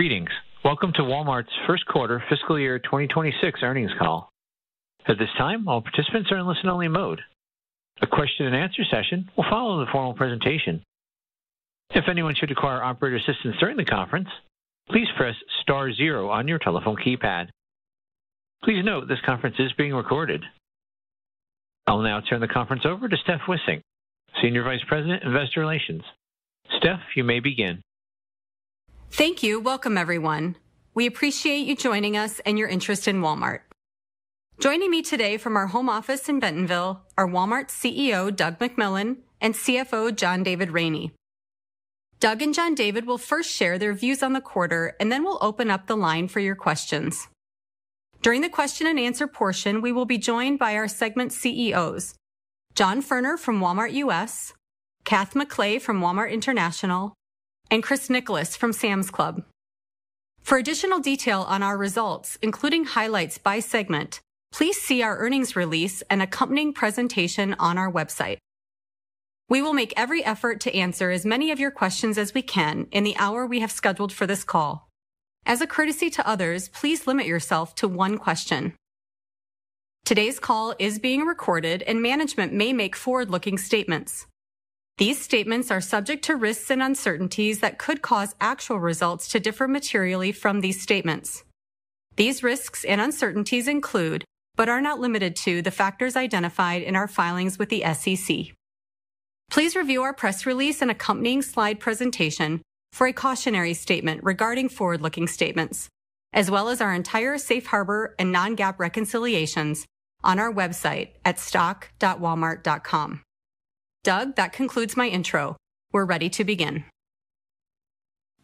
Greetings. Welcome to Walmart's first quarter fiscal year 2026 earnings call. At this time, all participants are in listen-only mode. A question-and-answer session will follow the formal presentation. If anyone should require operator assistance during the conference, please press star zero on your telephone keypad. Please note this conference is being recorded. I'll now turn the conference over to Steph Wissink, Senior Vice President, Investor Relations. Steph, you may begin. Thank you. Welcome, everyone. We appreciate you joining us and your interest in Walmart. Joining me today from our home office in Bentonville are Walmart CEO Doug McMillon and CFO John David Rainey. Doug and John David will first share their views on the quarter, and then we'll open up the line for your questions. During the question-and-answer portion, we will be joined by our segment CEOs, John Furner from Walmart U.S., Kath McLay from Walmart International, and Chris Nicholas from Sam's Club. For additional detail on our results, including highlights by segment, please see our earnings release and accompanying presentation on our website. We will make every effort to answer as many of your questions as we can in the hour we have scheduled for this call. As a courtesy to others, please limit yourself to one question. Today's call is being recorded, and management may make forward-looking statements. These statements are subject to risks and uncertainties that could cause actual results to differ materially from these statements. These risks and uncertainties include, but are not limited to, the factors identified in our filings with the SEC. Please review our press release and accompanying slide presentation for a cautionary statement regarding forward-looking statements, as well as our entire safe harbor and non-GAAP reconciliations on our website at stock.walmart.com. Doug, that concludes my intro. We're ready to begin.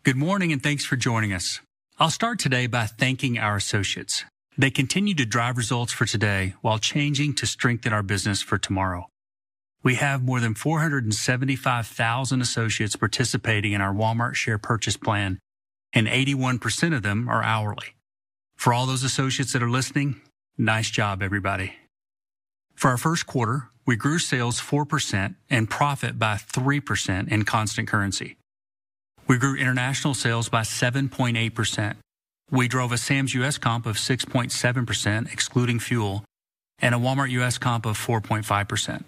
Good morning, and thanks for joining us. I'll start today by thanking our associates. They continue to drive results for today while changing to strengthen our business for tomorrow. We have more than 475,000 associates participating in our Walmart share purchase plan, and 81% of them are hourly. For all those associates that are listening, nice job, everybody. For our first quarter, we grew sales 4% and profit by 3% in constant currency. We grew international sales by 7.8%. We drove a Sam's U.S. comp of 6.7%, excluding fuel, and a Walmart U.S. comp of 4.5%.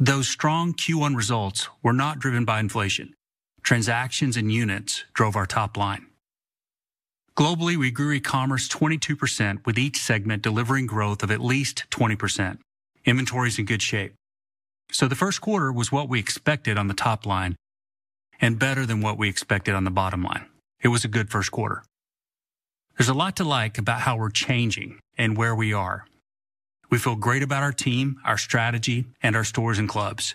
Those strong Q1 results were not driven by inflation. Transactions and units drove our top line. Globally, we grew e-commerce 22%, with each segment delivering growth of at least 20%. Inventory is in good shape. The first quarter was what we expected on the top line and better than what we expected on the bottom line. It was a good first quarter. There's a lot to like about how we're changing and where we are. We feel great about our team, our strategy, and our stores and clubs.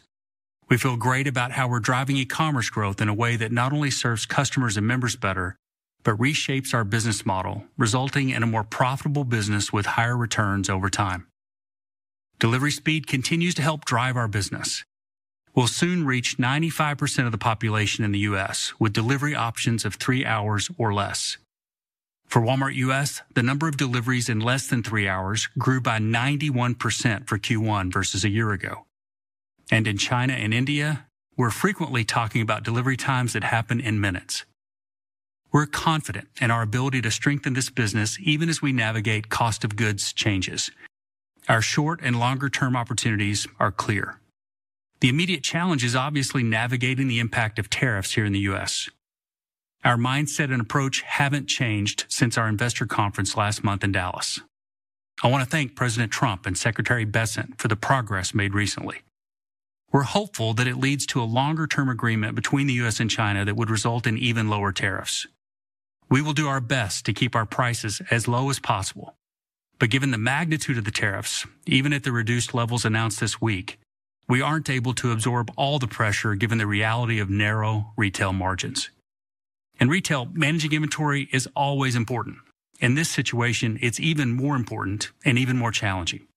We feel great about how we're driving e-commerce growth in a way that not only serves customers and members better but reshapes our business model, resulting in a more profitable business with higher returns over time. Delivery speed continues to help drive our business. We'll soon reach 95% of the population in the U.S. with delivery options of three hours or less. For Walmart U.S., the number of deliveries in less than three hours grew by 91% for Q1 versus a year ago. In China and India, we're frequently talking about delivery times that happen in minutes. We're confident in our ability to strengthen this business even as we navigate cost of goods changes. Our short and longer-term opportunities are clear. The immediate challenge is obviously navigating the impact of tariffs here in the U.S. Our mindset and approach haven't changed since our investor conference last month in Dallas. I want to thank President Trump and Secretary Bessent for the progress made recently. We're hopeful that it leads to a longer-term agreement between the U.S. and China that would result in even lower tariffs. We will do our best to keep our prices as low as possible. Given the magnitude of the tariffs, even at the reduced levels announced this week, we aren't able to absorb all the pressure given the reality of narrow retail margins. In retail, managing inventory is always important. In this situation, it's even more important and even more challenging.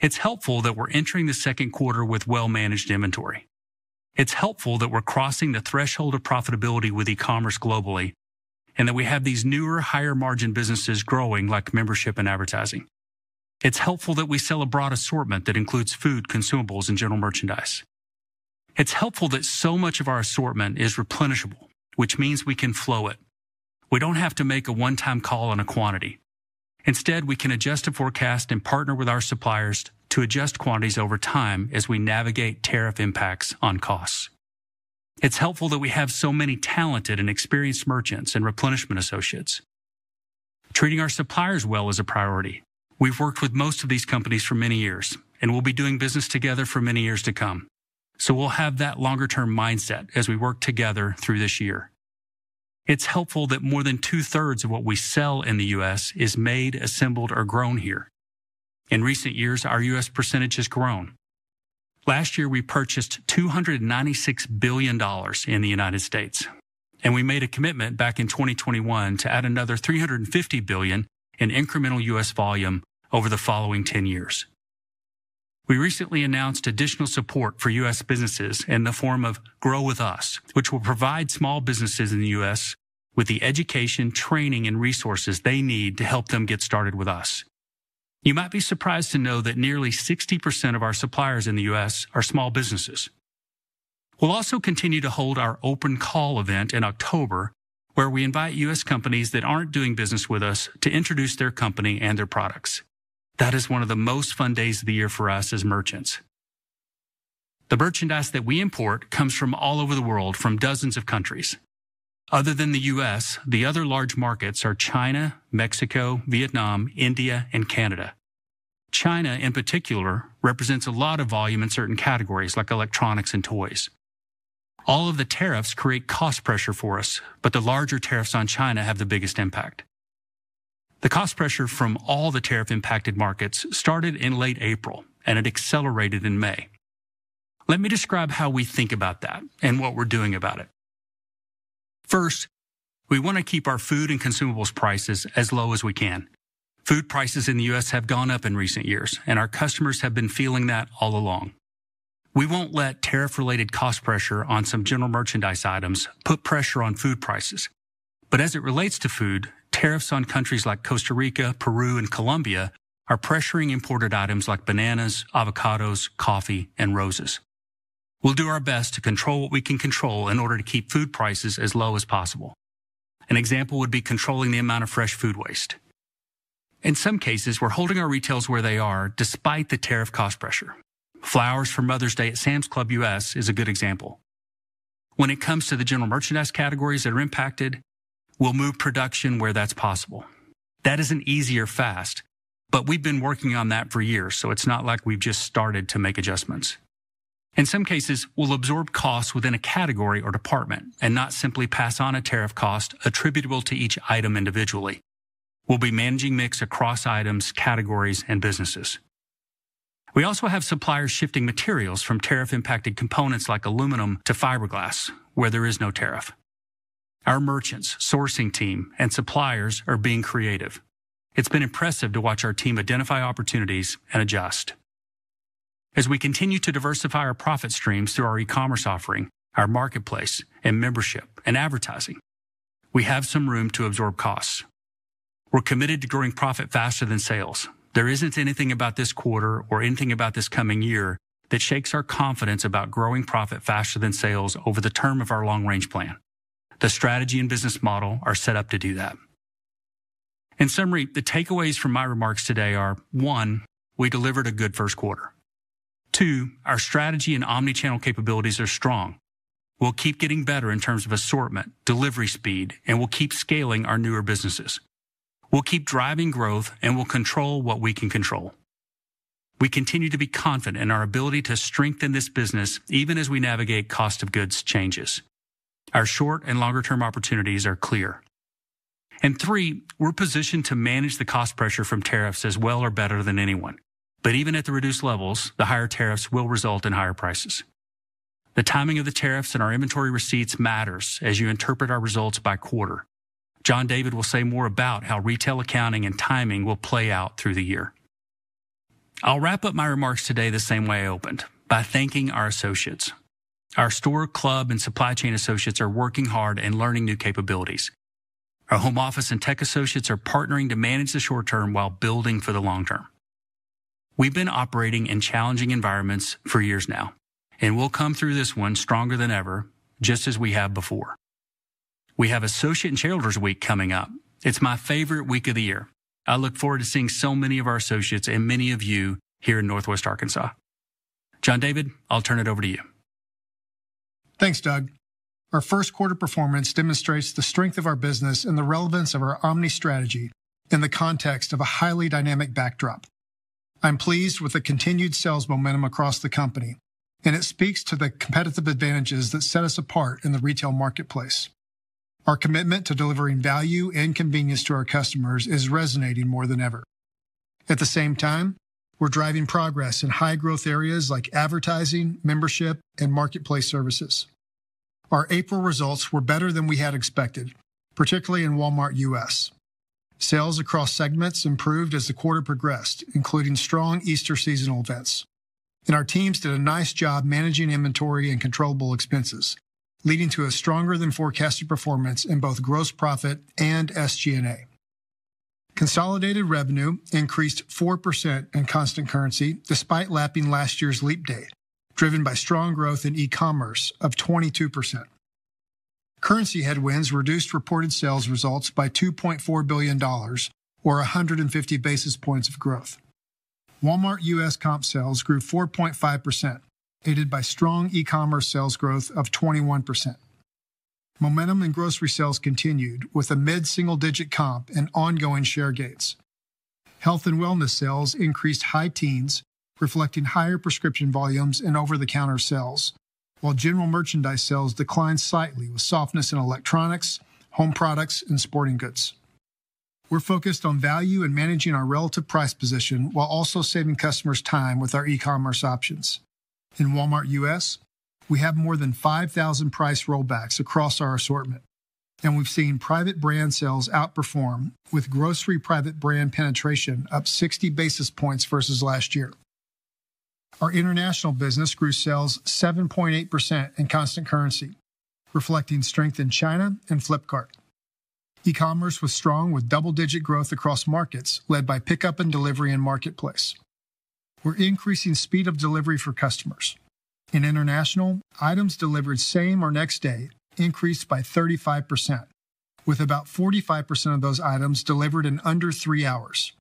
It's helpful that we're entering the second quarter with well-managed inventory. It's helpful that we're crossing the threshold of profitability with e-commerce globally and that we have these newer, higher-margin businesses growing like membership and advertising. It's helpful that we sell a broad assortment that includes food, consumables, and general merchandise. It's helpful that so much of our assortment is replenishable, which means we can flow it. We don't have to make a one-time call on a quantity. Instead, we can adjust a forecast and partner with our suppliers to adjust quantities over time as we navigate tariff impacts on costs. It's helpful that we have so many talented and experienced merchants and replenishment associates. Treating our suppliers well is a priority. We've worked with most of these companies for many years, and we'll be doing business together for many years to come. We'll have that longer-term mindset as we work together through this year. It's helpful that more than two-thirds of what we sell in the U.S. is made, assembled, or grown here. In recent years, our U.S. percentage has grown. Last year, we purchased $296 billion in the United States, and we made a commitment back in 2021 to add another $350 billion in incremental U.S. volume over the following 10 years. We recently announced additional support for U.S. businesses in the form of Grow With Us, which will provide small businesses in the U.S. with the education, training, and resources they need to help them get started with us. You might be surprised to know that nearly 60% of our suppliers in the U.S. are small businesses. We'll also continue to hold our open call event in October, where we invite U.S. companies that aren't doing business with us to introduce their company and their products. That is one of the most fun days of the year for us as merchants. The merchandise that we import comes from all over the world, from dozens of countries. Other than the U.S., the other large markets are China, Mexico, Vietnam, India, and Canada. China, in particular, represents a lot of volume in certain categories like electronics and toys. All of the tariffs create cost pressure for us, but the larger tariffs on China have the biggest impact. The cost pressure from all the tariff-impacted markets started in late April, and it accelerated in May. Let me describe how we think about that and what we're doing about it. First, we want to keep our food and consumables prices as low as we can. Food prices in the U.S. have gone up in recent years, and our customers have been feeling that all along. We won't let tariff-related cost pressure on some general merchandise items put pressure on food prices. As it relates to food, tariffs on countries like Costa Rica, Peru, and Colombia are pressuring imported items like bananas, avocados, coffee, and roses. We'll do our best to control what we can control in order to keep food prices as low as possible. An example would be controlling the amount of fresh food waste. In some cases, we're holding our retails where they are despite the tariff cost pressure. Flowers for Mother's Day at Sam's Club U.S. is a good example. When it comes to the general merchandise categories that are impacted, we'll move production where that's possible. That isn't easy or fast, but we've been working on that for years, so it's not like we've just started to make adjustments. In some cases, we'll absorb costs within a category or department and not simply pass on a tariff cost attributable to each item individually. We'll be managing mix across items, categories, and businesses. We also have suppliers shifting materials from tariff-impacted components like aluminum to fiberglass where there is no tariff. Our merchants, sourcing team, and suppliers are being creative. It's been impressive to watch our team identify opportunities and adjust. As we continue to diversify our profit streams through our e-commerce offering, our marketplace, and membership and advertising, we have some room to absorb costs. We're committed to growing profit faster than sales. There isn't anything about this quarter or anything about this coming year that shakes our confidence about growing profit faster than sales over the term of our long-range plan. The strategy and business model are set up to do that. In summary, the takeaways from my remarks today are: one, we delivered a good first quarter. Two, our strategy and omnichannel capabilities are strong. We'll keep getting better in terms of assortment, delivery speed, and we'll keep scaling our newer businesses. We'll keep driving growth, and we'll control what we can control. We continue to be confident in our ability to strengthen this business even as we navigate cost of goods changes. Our short and longer-term opportunities are clear. Three, we're positioned to manage the cost pressure from tariffs as well or better than anyone. Even at the reduced levels, the higher tariffs will result in higher prices. The timing of the tariffs and our inventory receipts matters as you interpret our results by quarter. John David will say more about how retail accounting and timing will play out through the year. I'll wrap up my remarks today the same way I opened: by thanking our associates. Our store, club, and supply chain associates are working hard and learning new capabilities. Our home office and tech associates are partnering to manage the short term while building for the long term. We've been operating in challenging environments for years now, and we'll come through this one stronger than ever, just as we have before. We have Associate and Children's Week coming up. It's my favorite week of the year. I look forward to seeing so many of our associates and many of you here in Northwest Arkansas. John David, I'll turn it over to you. Thanks, Doug. Our first quarter performance demonstrates the strength of our business and the relevance of our omni strategy in the context of a highly dynamic backdrop. I'm pleased with the continued sales momentum across the company, and it speaks to the competitive advantages that set us apart in the retail marketplace. Our commitment to delivering value and convenience to our customers is resonating more than ever. At the same time, we're driving progress in high-growth areas like advertising, membership, and marketplace services. Our April results were better than we had expected, particularly in Walmart U.S. Sales across segments improved as the quarter progressed, including strong Easter seasonal events. Our teams did a nice job managing inventory and controllable expenses, leading to a stronger-than-forecasted performance in both gross profit and SG&A. Consolidated revenue increased 4% in constant currency despite lapping last year's leap date, driven by strong growth in e-commerce of 22%. Currency headwinds reduced reported sales results by $2.4 billion, or 150 basis points of growth. Walmart U.S. comp sales grew 4.5%, aided by strong e-commerce sales growth of 21%. Momentum in grocery sales continued with a mid-single-digit comp and ongoing share gains. Health and wellness sales increased high teens, reflecting higher prescription volumes and over-the-counter sales, while general merchandise sales declined slightly with softness in electronics, home products, and sporting goods. We're focused on value and managing our relative price position while also saving customers time with our e-commerce options. In Walmart U.S., we have more than 5,000 price rollbacks across our assortment, and we've seen private brand sales outperform, with grocery private brand penetration up 60 basis points versus last year. Our international business grew sales 7.8% in constant currency, reflecting strength in China and Flipkart. E-commerce was strong with double-digit growth across markets led by pickup and delivery in marketplace. We're increasing speed of delivery for customers. In international, items delivered same or next day increased by 35%, with about 45% of those items delivered in under three hours.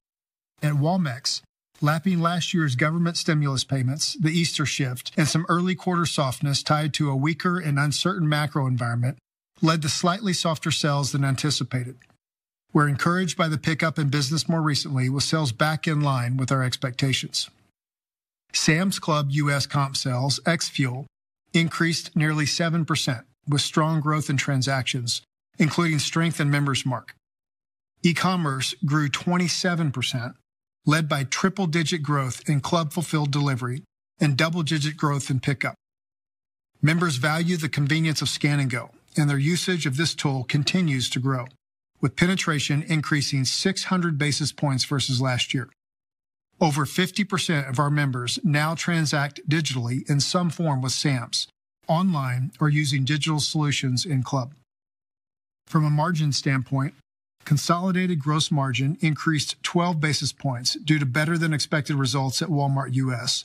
At Walmart, lapping last year's government stimulus payments, the Easter shift, and some early quarter softness tied to a weaker and uncertain macro environment led to slightly softer sales than anticipated. We're encouraged by the pickup in business more recently, with sales back in line with our expectations. Sam's Club U.S. comp sales ex-fuel increased nearly 7%, with strong growth in transactions, including strength in Member's Mark. E-commerce grew 27%, led by triple-digit growth in club-fulfilled delivery and double-digit growth in pickup. Members value the convenience of Scan & Go, and their usage of this tool continues to grow, with penetration increasing 600 basis points versus last year. Over 50% of our members now transact digitally in some form with Sam's, online, or using digital solutions in club. From a margin standpoint, consolidated gross margin increased 12 basis points due to better-than-expected results at Walmart U.S.,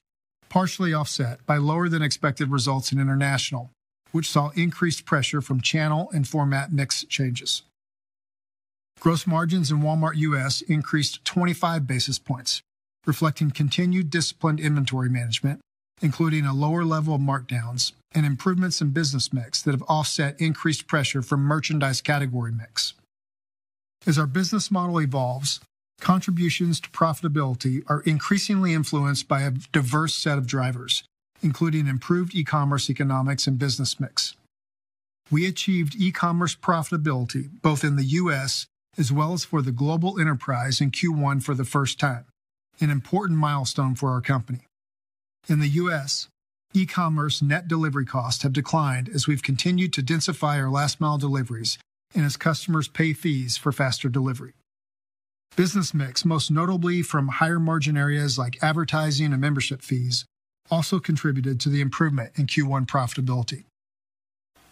partially offset by lower-than-expected results in international, which saw increased pressure from channel and format mix changes. Gross margins in Walmart U.S. increased 25 basis points, reflecting continued disciplined inventory management, including a lower level of markdowns and improvements in business mix that have offset increased pressure from merchandise category mix. As our business model evolves, contributions to profitability are increasingly influenced by a diverse set of drivers, including improved e-commerce economics and business mix. We achieved e-commerce profitability both in the U.S. as well as for the global enterprise in Q1 for the first time, an important milestone for our company. In the U.S., e-commerce net delivery costs have declined as we've continued to densify our last-mile deliveries and as customers pay fees for faster delivery. Business mix, most notably from higher margin areas like advertising and membership fees, also contributed to the improvement in Q1 profitability.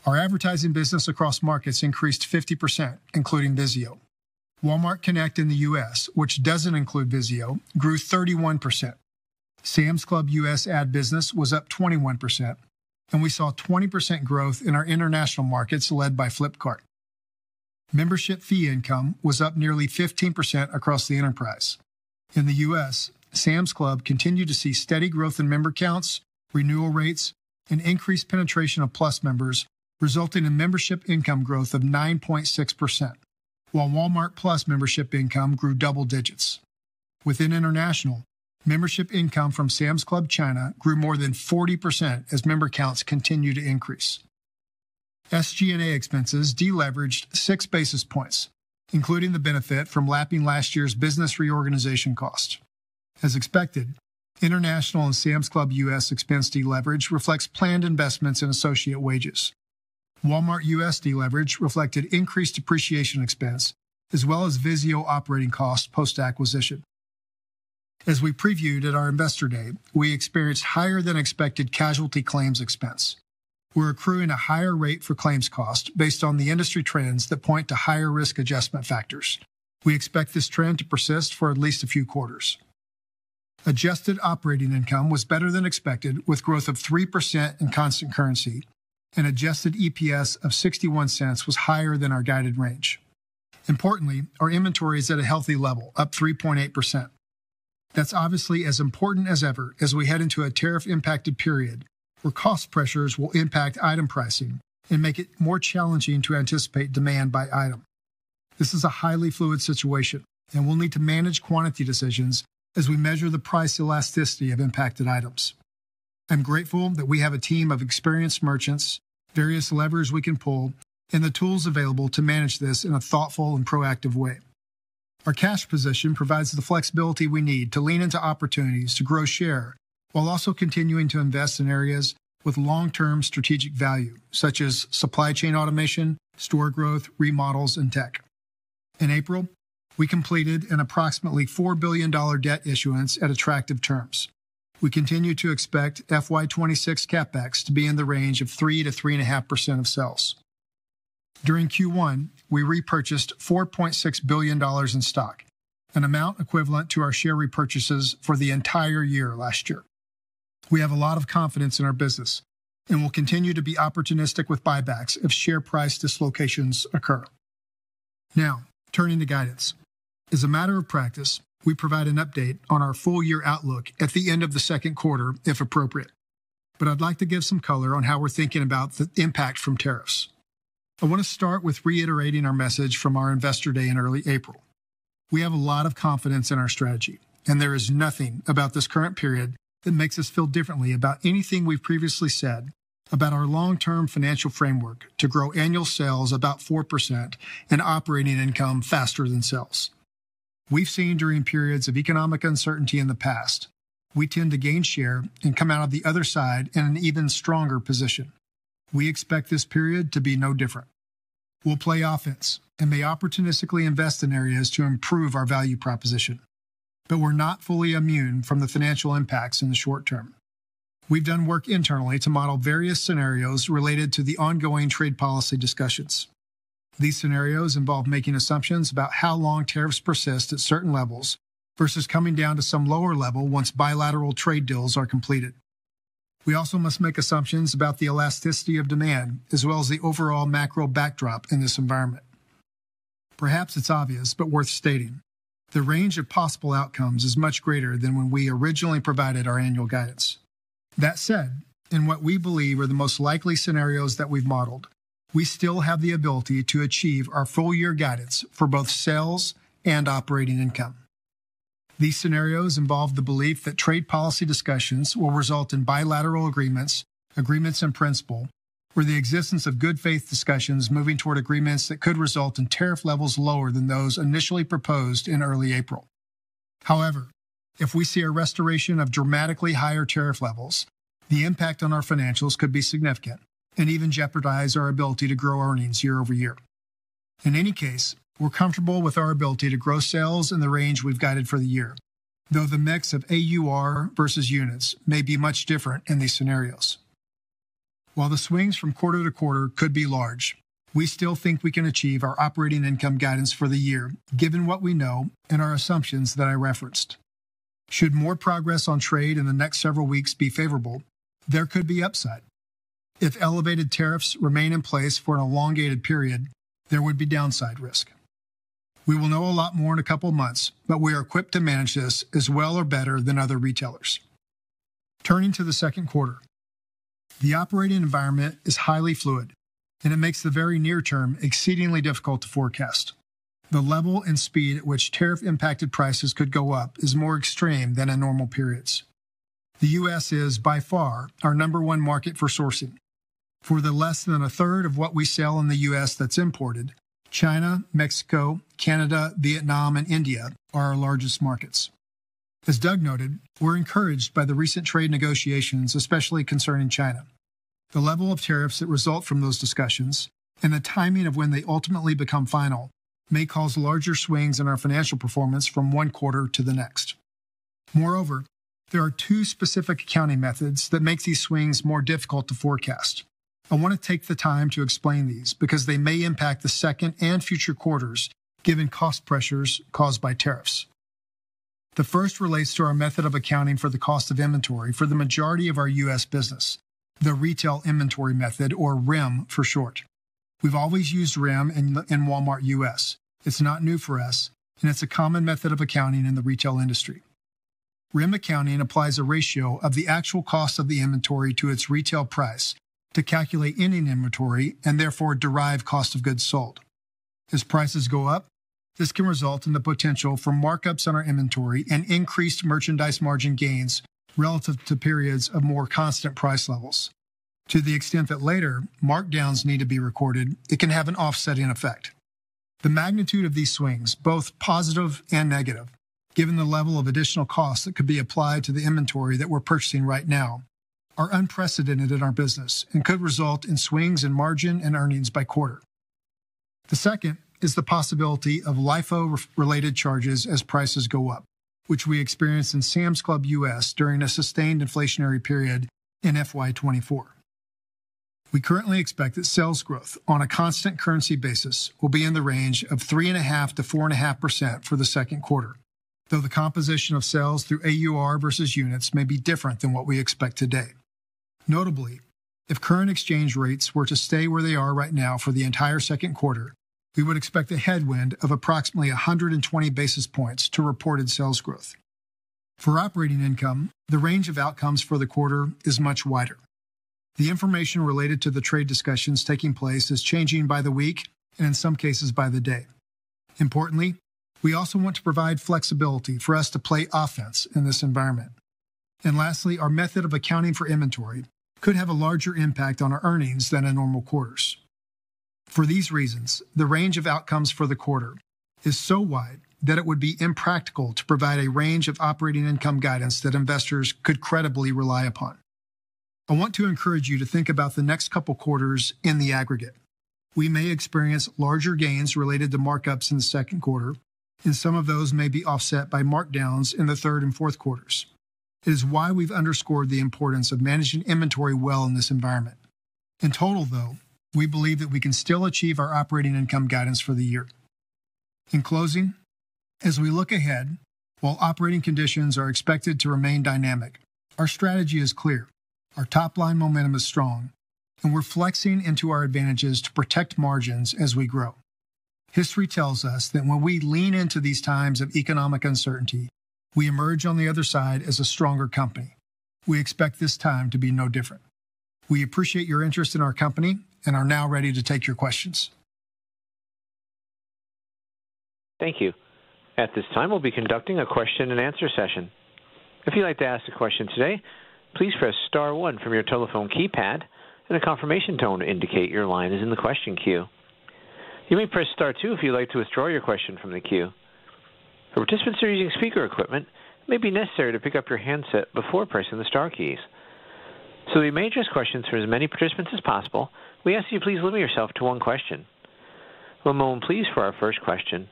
Our advertising business across markets increased 50%, including VIZIO. Walmart Connect in the U.S., which doesn't include VIZIO, grew 31%. Sam's Club U.S. ad business was up 21%, and we saw 20% growth in our international markets led by Flipkart. Membership fee income was up nearly 15% across the enterprise. In the U.S., Sam's Club continued to see steady growth in member counts, renewal rates, and increased penetration of Plus members, resulting in membership income growth of 9.6%, while Walmart Plus membership income grew double digits. Within international, membership income from Sam's Club China grew more than 40% as member counts continued to increase. SG&A expenses deleveraged 6 basis points, including the benefit from lapping last year's business reorganization cost. As expected, international and Sam's Club U.S. expense deleverage reflects planned investments in associate wages. Walmart U.S. deleverage reflected increased depreciation expense as well as VIZIO operating costs post-acquisition. As we previewed at our investor day, we experienced higher-than-expected casualty claims expense. We're accruing a higher rate for claims costs based on the industry trends that point to higher risk adjustment factors. We expect this trend to persist for at least a few quarters. Adjusted operating income was better than expected with growth of 3% in constant currency, and adjusted EPS of $0.61 was higher than our guided range. Importantly, our inventory is at a healthy level, up 3.8%. That's obviously as important as ever as we head into a tariff-impacted period where cost pressures will impact item pricing and make it more challenging to anticipate demand by item. This is a highly fluid situation, and we'll need to manage quantity decisions as we measure the price elasticity of impacted items. I'm grateful that we have a team of experienced merchants, various levers we can pull, and the tools available to manage this in a thoughtful and proactive way. Our cash position provides the flexibility we need to lean into opportunities to grow share while also continuing to invest in areas with long-term strategic value, such as supply chain automation, store growth, remodels, and tech. In April, we completed an approximately $4 billion debt issuance at attractive terms. We continue to expect FY 2026 CapEx to be in the range of 3%-3.5% of sales. During Q1, we repurchased $4.6 billion in stock, an amount equivalent to our share repurchases for the entire year last year. We have a lot of confidence in our business, and we'll continue to be opportunistic with buybacks if share price dislocations occur. Now, turning to guidance. As a matter of practice, we provide an update on our full-year outlook at the end of the second quarter if appropriate, but I'd like to give some color on how we're thinking about the impact from tariffs. I want to start with reiterating our message from our investor day in early April. We have a lot of confidence in our strategy, and there is nothing about this current period that makes us feel differently about anything we've previously said about our long-term financial framework to grow annual sales about 4% and operating income faster than sales. We've seen during periods of economic uncertainty in the past, we tend to gain share and come out of the other side in an even stronger position. We expect this period to be no different. We'll play offense and may opportunistically invest in areas to improve our value proposition, but we're not fully immune from the financial impacts in the short term. We've done work internally to model various scenarios related to the ongoing trade policy discussions. These scenarios involve making assumptions about how long tariffs persist at certain levels versus coming down to some lower level once bilateral trade deals are completed. We also must make assumptions about the elasticity of demand as well as the overall macro backdrop in this environment. Perhaps it's obvious, but worth stating: the range of possible outcomes is much greater than when we originally provided our annual guidance. That said, in what we believe are the most likely scenarios that we've modeled, we still have the ability to achieve our full-year guidance for both sales and operating income. These scenarios involve the belief that trade policy discussions will result in bilateral agreements, agreements in principle, or the existence of good faith discussions moving toward agreements that could result in tariff levels lower than those initially proposed in early April. However, if we see a restoration of dramatically higher tariff levels, the impact on our financials could be significant and even jeopardize our ability to grow earnings year over year. In any case, we're comfortable with our ability to grow sales in the range we've guided for the year, though the mix of AUR versus units may be much different in these scenarios. While the swings from quarter to quarter could be large, we still think we can achieve our operating income guidance for the year given what we know and our assumptions that I referenced. Should more progress on trade in the next several weeks be favorable, there could be upside. If elevated tariffs remain in place for an elongated period, there would be downside risk. We will know a lot more in a couple of months, but we are equipped to manage this as well or better than other retailers. Turning to the second quarter, the operating environment is highly fluid, and it makes the very near term exceedingly difficult to forecast. The level and speed at which tariff-impacted prices could go up is more extreme than in normal periods. The U.S. is, by far, our number one market for sourcing. For the less than a third of what we sell in the U.S. that's imported, China, Mexico, Canada, Vietnam, and India are our largest markets. As Doug noted, we're encouraged by the recent trade negotiations, especially concerning China. The level of tariffs that result from those discussions and the timing of when they ultimately become final may cause larger swings in our financial performance from one quarter to the next. Moreover, there are two specific accounting methods that make these swings more difficult to forecast. I want to take the time to explain these because they may impact the second and future quarters given cost pressures caused by tariffs. The first relates to our method of accounting for the cost of inventory for the majority of our U.S. business, the retail inventory method, or RIM for short. We've always used RIM in Walmart U.S. It's not new for us, and it's a common method of accounting in the retail industry. RIM accounting applies a ratio of the actual cost of the inventory to its retail price to calculate ending inventory and therefore derive cost of goods sold. As prices go up, this can result in the potential for markups on our inventory and increased merchandise margin gains relative to periods of more constant price levels. To the extent that later markdowns need to be recorded, it can have an offsetting effect. The magnitude of these swings, both positive and negative, given the level of additional costs that could be applied to the inventory that we're purchasing right now, are unprecedented in our business and could result in swings in margin and earnings by quarter. The second is the possibility of LIFO-related charges as prices go up, which we experienced in Sam's Club U.S. during a sustained inflationary period in FY 2024. We currently expect that sales growth on a constant currency basis will be in the range of 3.5%-4.5% for the second quarter, though the composition of sales through AUR versus units may be different than what we expect today. Notably, if current exchange rates were to stay where they are right now for the entire second quarter, we would expect a headwind of approximately 120 basis points to reported sales growth. For operating income, the range of outcomes for the quarter is much wider. The information related to the trade discussions taking place is changing by the week and in some cases by the day. Importantly, we also want to provide flexibility for us to play offense in this environment. Lastly, our method of accounting for inventory could have a larger impact on our earnings than in normal quarters. For these reasons, the range of outcomes for the quarter is so wide that it would be impractical to provide a range of operating income guidance that investors could credibly rely upon. I want to encourage you to think about the next couple of quarters in the aggregate. We may experience larger gains related to markups in the second quarter, and some of those may be offset by markdowns in the third and fourth quarters. It is why we've underscored the importance of managing inventory well in this environment. In total, though, we believe that we can still achieve our operating income guidance for the year. In closing, as we look ahead, while operating conditions are expected to remain dynamic, our strategy is clear, our top-line momentum is strong, and we're flexing into our advantages to protect margins as we grow. History tells us that when we lean into these times of economic uncertainty, we emerge on the other side as a stronger company. We expect this time to be no different. We appreciate your interest in our company and are now ready to take your questions. Thank you. At this time, we'll be conducting a question-and-answer session. If you'd like to ask a question today, please press star one from your telephone keypad, and a confirmation tone to indicate your line is in the question queue. You may press star two if you'd like to withdraw your question from the queue. For participants who are using speaker equipment, it may be necessary to pick up your handset before pressing the star keys. We may address questions for as many participants as possible. We ask that you please limit yourself to one question. One moment, please, for our first question.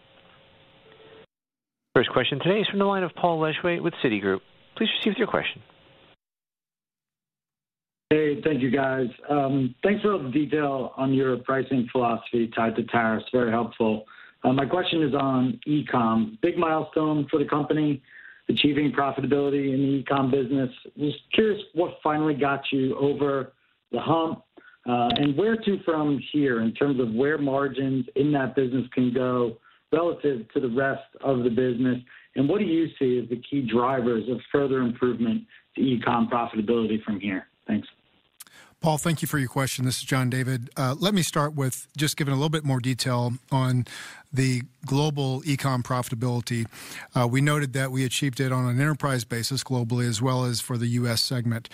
First question today is from the line of Paul Lejuez with Citigroup. Please proceed with your question. Hey, thank you, guys. Thanks for the detail on your pricing philosophy tied to tariffs. Very helpful. My question is on e-com. Big milestone for the company, achieving profitability in the e-com business. Just curious what finally got you over the hump and where to from here in terms of where margins in that business can go relative to the rest of the business, and what do you see as the key drivers of further improvement to e-com proftability from here? Thanks. Paul, thank you for your question. This is John David. Let me start with just giving a little bit more detail on the global e-com profitability. We noted that we achieved it on an enterprise basis globally as well as for the U.S. segment.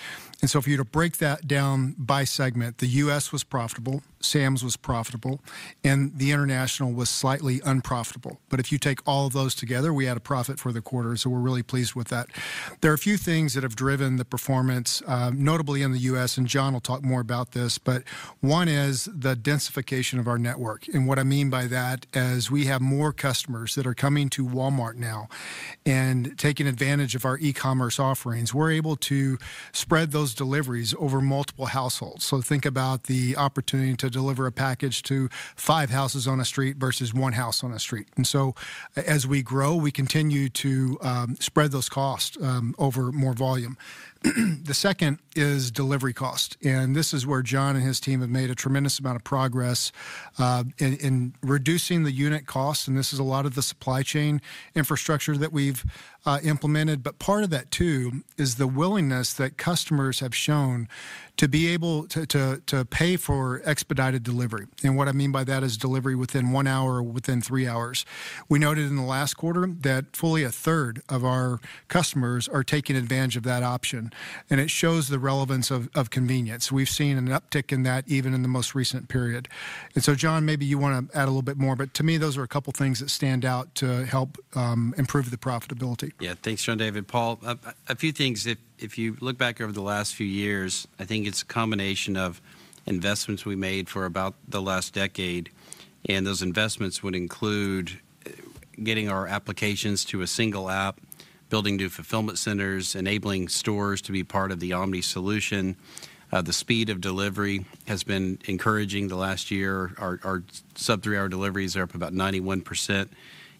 For you to break that down by segment, the U.S. was profitable, Sam's was profitable, and the International was slightly unprofitable. If you take all of those together, we had a profit for the quarter, so we're really pleased with that. There are a few things that have driven the performance, notably in the U.S., and John will talk more about this, but one is the densification of our network. What I mean by that is we have more customers that are coming to Walmart now and taking advantage of our e-commerce offerings. We're able to spread those deliveries over multiple households. Think about the opportunity to deliver a package to five houses on a street versus one house on a street. As we grow, we continue to spread those costs over more volume. The second is delivery cost, and this is where John and his team have made a tremendous amount of progress in reducing the unit costs, and this is a lot of the supply chain infrastructure that we've implemented. Part of that too is the willingness that customers have shown to be able to pay for expedited delivery. What I mean by that is delivery within one hour, within three hours. We noted in the last quarter that fully 1/3 of our customers are taking advantage of that option, and it shows the relevance of convenience. We've seen an uptick in that even in the most recent period. John, maybe you want to add a little bit more, but to me, those are a couple of things that stand out to help improve the profitability. Yeah, thanks, John David. Paul, a few things. If you look back over the last few years, I think it's a combination of investments we made for about the last decade, and those investments would include getting our applications to a single app, building new fulfillment centers, enabling stores to be part of the omni solution. The speed of delivery has been encouraging the last year. Our sub-three-hour deliveries are up about 91%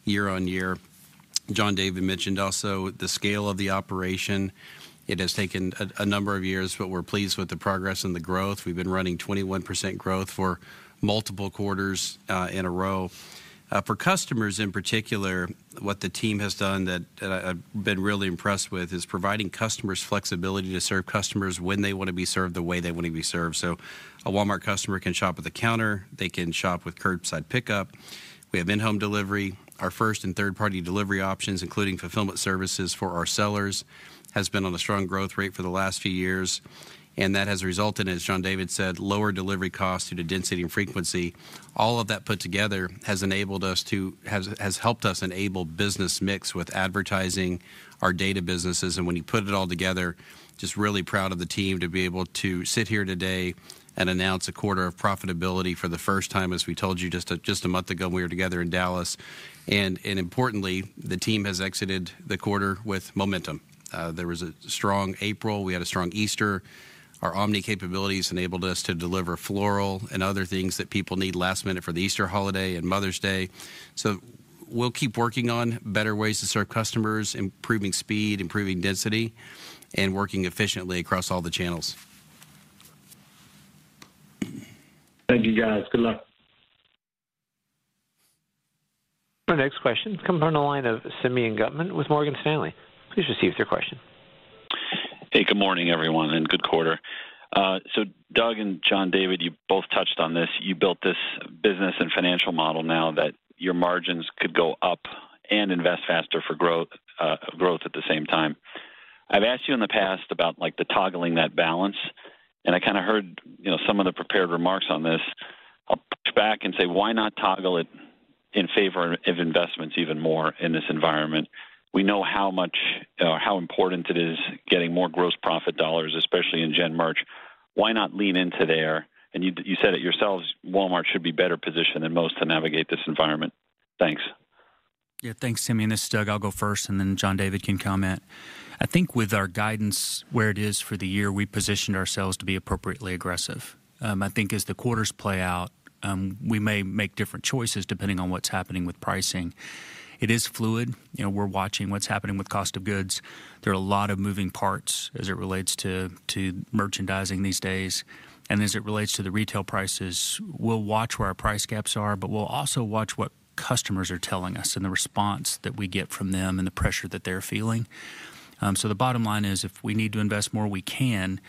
year-on-year. John David mentioned also the scale of the operation. It has taken a number of years, but we're pleased with the progress and the growth. We've been running 21% growth for multiple quarters in a row. For customers in particular, what the team has done that I've been really impressed with is providing customers flexibility to serve customers when they want to be served the way they want to be served. A Walmart customer can shop at the counter, they can shop with curbside pickup. We have in-home delivery. Our first and third-party delivery options, including fulfillment services for our sellers, have been on a strong growth rate for the last few years, and that has resulted in, as John David said, lower delivery costs due to density and frequency. All of that put together has enabled us to, has helped us enable business mix with advertising our data businesses. When you put it all together, just really proud of the team to be able to sit here today and announce a quarter of profitability for the first time, as we told you just a month ago when we were together in Dallas. Importantly, the team has exited the quarter with momentum. There was a strong April, we had a strong Easter. Our omni capabilities enabled us to deliver floral and other things that people need last minute for the Easter holiday and Mother's Day. We'll keep working on better ways to serve customers, improving speed, improving density, and working efficiently across all the channels. Thank you, guys. Good luck. Our next question is coming from the line of Simeon Gutman with Morgan Stanley. Please proceed with your question. Hey, good morning, everyone, and good quarter. Doug and John David, you both touched on this. You built this business and financial model now that your margins could go up and invest faster for growth at the same time. I've asked you in the past about the toggling that balance, and I kind of heard some of the prepared remarks on this. I'll push back and say, why not toggle it in favor of investments even more in this environment? We know how much or how important it is getting more gross profit dollars, especially in gen merch. Why not lean into there? You said it yourselves, Walmart should be better positioned than most to navigate this environment. Thanks. Yeah, thanks, Simeon. This is Doug. I'll go first, and then John David can comment. I think with our guidance, where it is for the year, we positioned ourselves to be appropriately aggressive. I think as the quarters play out, we may make different choices depending on what's happening with pricing. It is fluid. We're watching what's happening with cost of goods. There are a lot of moving parts as it relates to merchandising these days. As it relates to the retail prices, we'll watch where our price gaps are, but we'll also watch what customers are telling us and the response that we get from them and the pressure that they're feeling. The bottom line is if we need to invest more, we can.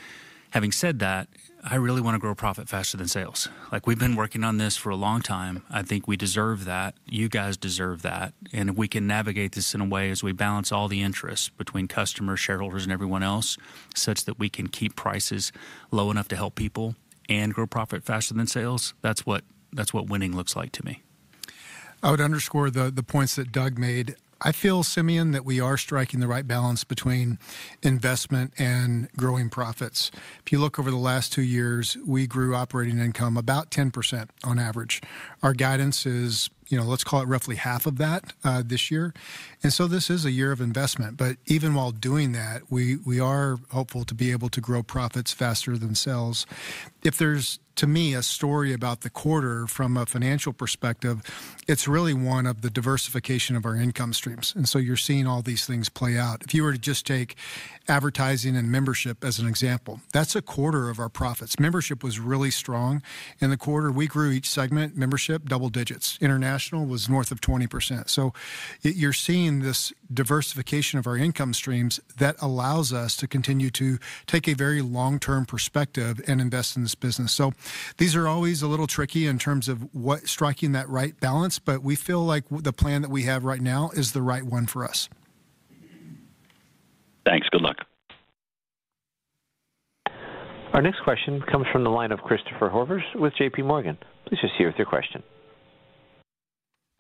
Having said that, I really want to grow profit faster than sales. We've been working on this for a long time. I think we deserve that. You guys deserve that. If we can navigate this in a way as we balance all the interests between customers, shareholders, and everyone else such that we can keep prices low enough to help people and grow profit faster than sales, that's what winning looks like to me. I would underscore the points that Doug made. I feel, Simeon, that we are striking the right balance between investment and growing profits. If you look over the last two years, we grew operating income about 10% on average. Our guidance is, let's call it roughly half of that this year. This is a year of investment. Even while doing that, we are hopeful to be able to grow profits faster than sales. If there's, to me, a story about the quarter from a financial perspective, it's really one of the diversification of our income streams. You are seeing all these things play out. If you were to just take advertising and membership as an example, that's a quarter of our profits. Membership was really strong in the quarter. We grew each segment. Membership, double digits. International was north of 20%. You are seeing this diversification of our income streams that allows us to continue to take a very long-term perspective and invest in this business. These are always a little tricky in terms of striking that right balance, but we feel like the plan that we have right now is the right one for us. Thanks. Good luck. Our next question comes from the line of Christopher Horvers with JPMorgan. Please proceed with your question.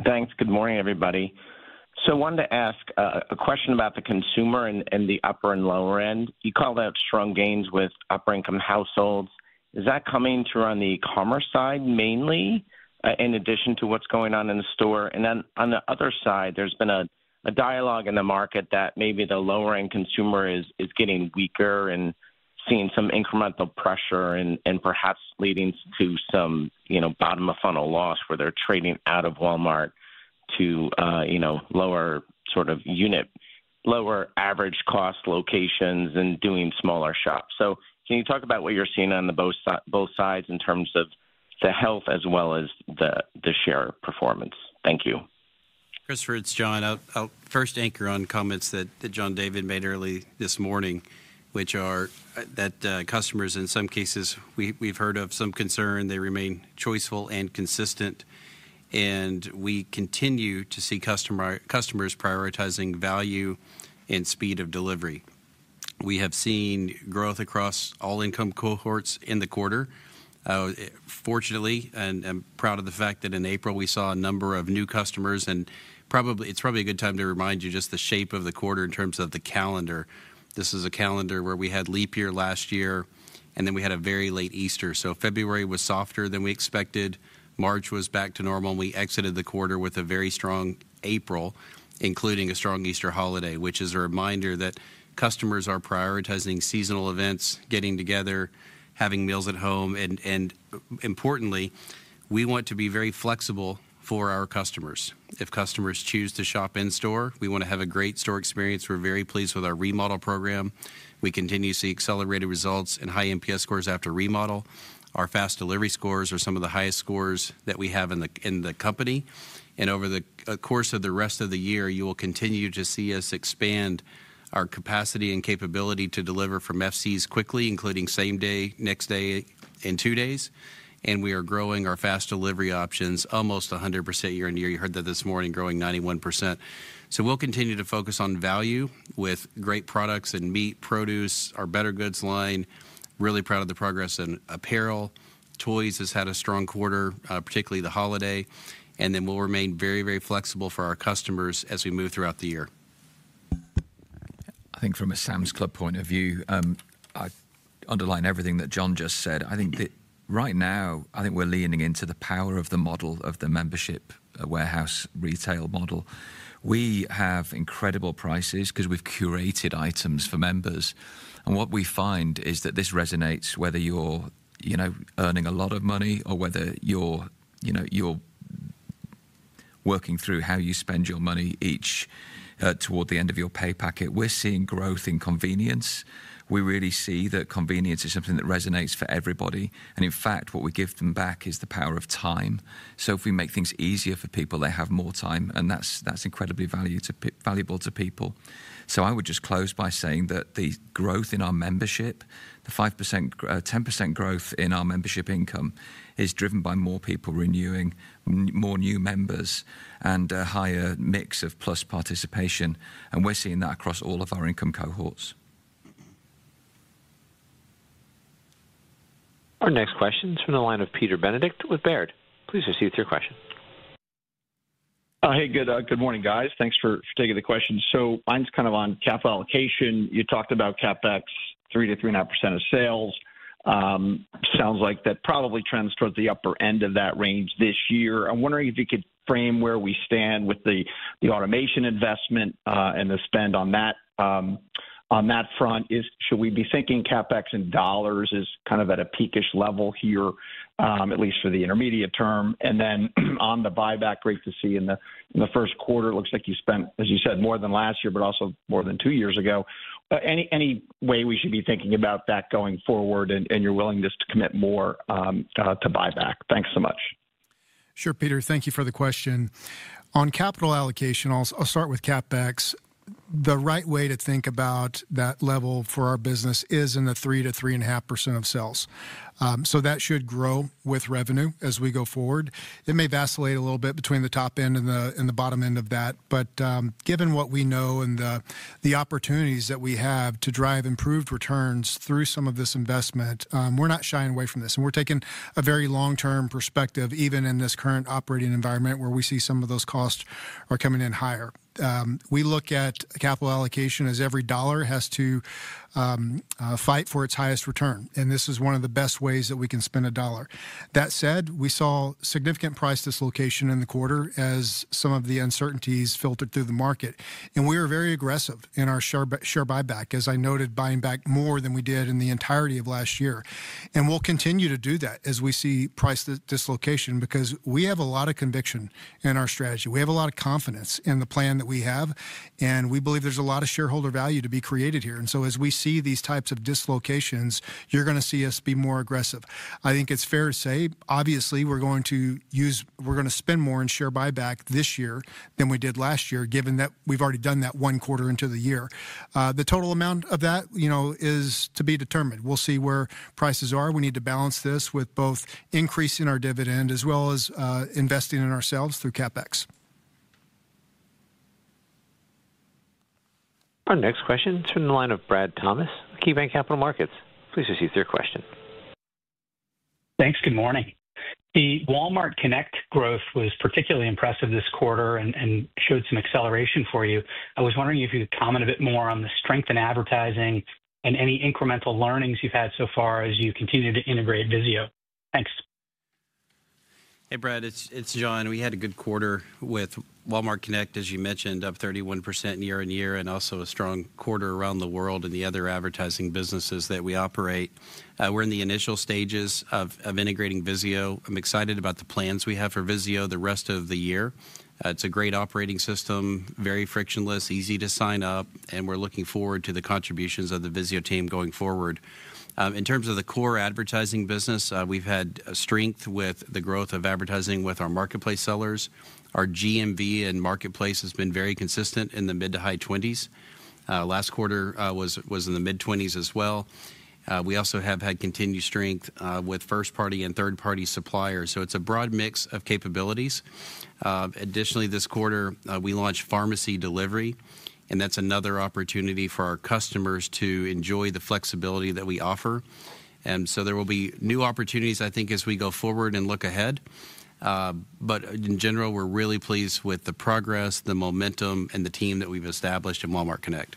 Thanks. Good morning, everybody. I wanted to ask a question about the consumer and the upper and lower end. You called out strong gains with upper-income households. Is that coming through on the e-commerce side mainly in addition to what's going on in the store? On the other side, there's been a dialogue in the market that maybe the lower-end consumer is getting weaker and seeing some incremental pressure and perhaps leading to some bottom-of-funnel loss where they're trading out of Walmart to lower sort of unit, lower average cost locations and doing smaller shops. Can you talk about what you're seeing on both sides in terms of the health as well as the share performance? Thank you. Christopher, it's John. I'll first anchor on comments that John David made early this morning, which are that customers, in some cases, we've heard of some concern. They remain choiceful and consistent, and we continue to see customers prioritizing value and speed of delivery. We have seen growth across all income cohorts in the quarter. Fortunately, and proud of the fact that in April we saw a number of new customers, and it's probably a good time to remind you just the shape of the quarter in terms of the calendar. This is a calendar where we had leap year last year, and then we had a very late Easter. February was softer than we expected. March was back to normal, and we exited the quarter with a very strong April, including a strong Easter holiday, which is a reminder that customers are prioritizing seasonal events, getting together, having meals at home. Importantly, we want to be very flexible for our customers. If customers choose to shop in-store, we want to have a great store experience. We are very pleased with our remodel program. We continue to see accelerated results and high NPS scores after remodel. Our fast delivery scores are some of the highest scores that we have in the company. Over the course of the rest of the year, you will continue to see us expand our capacity and capability to deliver from FCs quickly, including same day, next day, and two days. We are growing our fast delivery options almost 100% year-on-year. You heard that this morning, growing 91%. We will continue to focus on value with great products in meat, produce, our bettergoods line. Really proud of the progress in apparel. Toys has had a strong quarter, particularly the holiday. We will remain very, very flexible for our customers as we move throughout the year. I think from a Sam's Club point of view, I underline everything that John just said. I think that right now, I think we are leaning into the power of the model of the membership warehouse retail model. We have incredible prices because we have curated items for members. What we find is that this resonates whether you are earning a lot of money or whether you are working through how you spend your money each toward the end of your pay packet. We are seeing growth in convenience. We really see that convenience is something that resonates for everybody. In fact, what we give them back is the power of time. If we make things easier for people, they have more time, and that's incredibly valuable to people. I would just close by saying that the growth in our membership, the 5%-10% growth in our membership income is driven by more people renewing, more new members, and a higher mix of plus participation. We're seeing that across all of our income cohorts. Our next question is from the line of Peter Benedict with Baird. Please proceed with your question. Hey, good morning, guys. Thanks for taking the question. Mine's kind of on capital allocation. You talked about CapEx, 3%-3.5% of sales. Sounds like that probably trends towards the upper end of that range this year. I'm wondering if you could frame where we stand with the automation investment and the spend on that front. Should we be thinking CapEx in dollars is kind of at a peakish level here, at least for the intermediate term. On the buyback, great to see in the first quarter, it looks like you spent, as you said, more than last year, but also more than two years ago. Any way we should be thinking about that going forward and your willingness to commit more to buyback? Thanks so much. Sure, Peter. Thank you for the question. On capital allocation, I'll start with CapEx. The right way to think about that level for our business is in the 3%-3.5% of sales. That should grow with revenue as we go forward. It may vacillate a little bit between the top end and the bottom end of that. Given what we know and the opportunities that we have to drive improved returns through some of this investment, we're not shying away from this. We're taking a very long-term perspective, even in this current operating environment where we see some of those costs are coming in higher. We look at capital allocation as every dollar has to fight for its highest return. This is one of the best ways that we can spend a dollar. That said, we saw significant price dislocation in the quarter as some of the uncertainties filtered through the market. We are very aggressive in our share buyback, as I noted, buying back more than we did in the entirety of last year. We will continue to do that as we see price dislocation because we have a lot of conviction in our strategy. We have a lot of confidence in the plan that we have. We believe there is a lot of shareholder value to be created here. As we see these types of dislocations, you are going to see us be more aggressive. I think it is fair to say, obviously, we are going to use, we are going to spend more in share buyback this year than we did last year, given that we have already done that one quarter into the year. The total amount of that is to be determined. We will see where prices are. We need to balance this with both increasing our dividend as well as investing in ourselves through CapEx. Our next question is from the line of Brad Thomas, KeyBanc Capital Markets. Please proceed with your question. Thanks. Good morning. The Walmart Connect growth was particularly impressive this quarter and showed some acceleration for you. I was wondering if you could comment a bit more on the strength in advertising and any incremental learnings you've had so far as you continue to integrate Vizio. Thanks. Hey, Brad. It's John. We had a good quarter with Walmart Connect, as you mentioned, up 31% year-on-year and also a strong quarter around the world and the other advertising businesses that we operate. We're in the initial stages of integrating VIZIO. I'm excited about the plans we have for Vizio the rest of the year. It's a great operating system, very frictionless, easy to sign up, and we're looking forward to the contributions of the VIZIO team going forward. In terms of the core advertising business, we've had strength with the growth of advertising with our marketplace sellers. Our GMV and marketplace has been very consistent in the mid to high 20s. Last quarter was in the mid 20s as well. We also have had continued strength with first-party and third-party suppliers. It is a broad mix of capabilities. Additionally, this quarter, we launched pharmacy delivery, and that is another opportunity for our customers to enjoy the flexibility that we offer. There will be new opportunities, I think, as we go forward and look ahead. In general, we're really pleased with the progress, the momentum, and the team that we've established in Walmart Connect.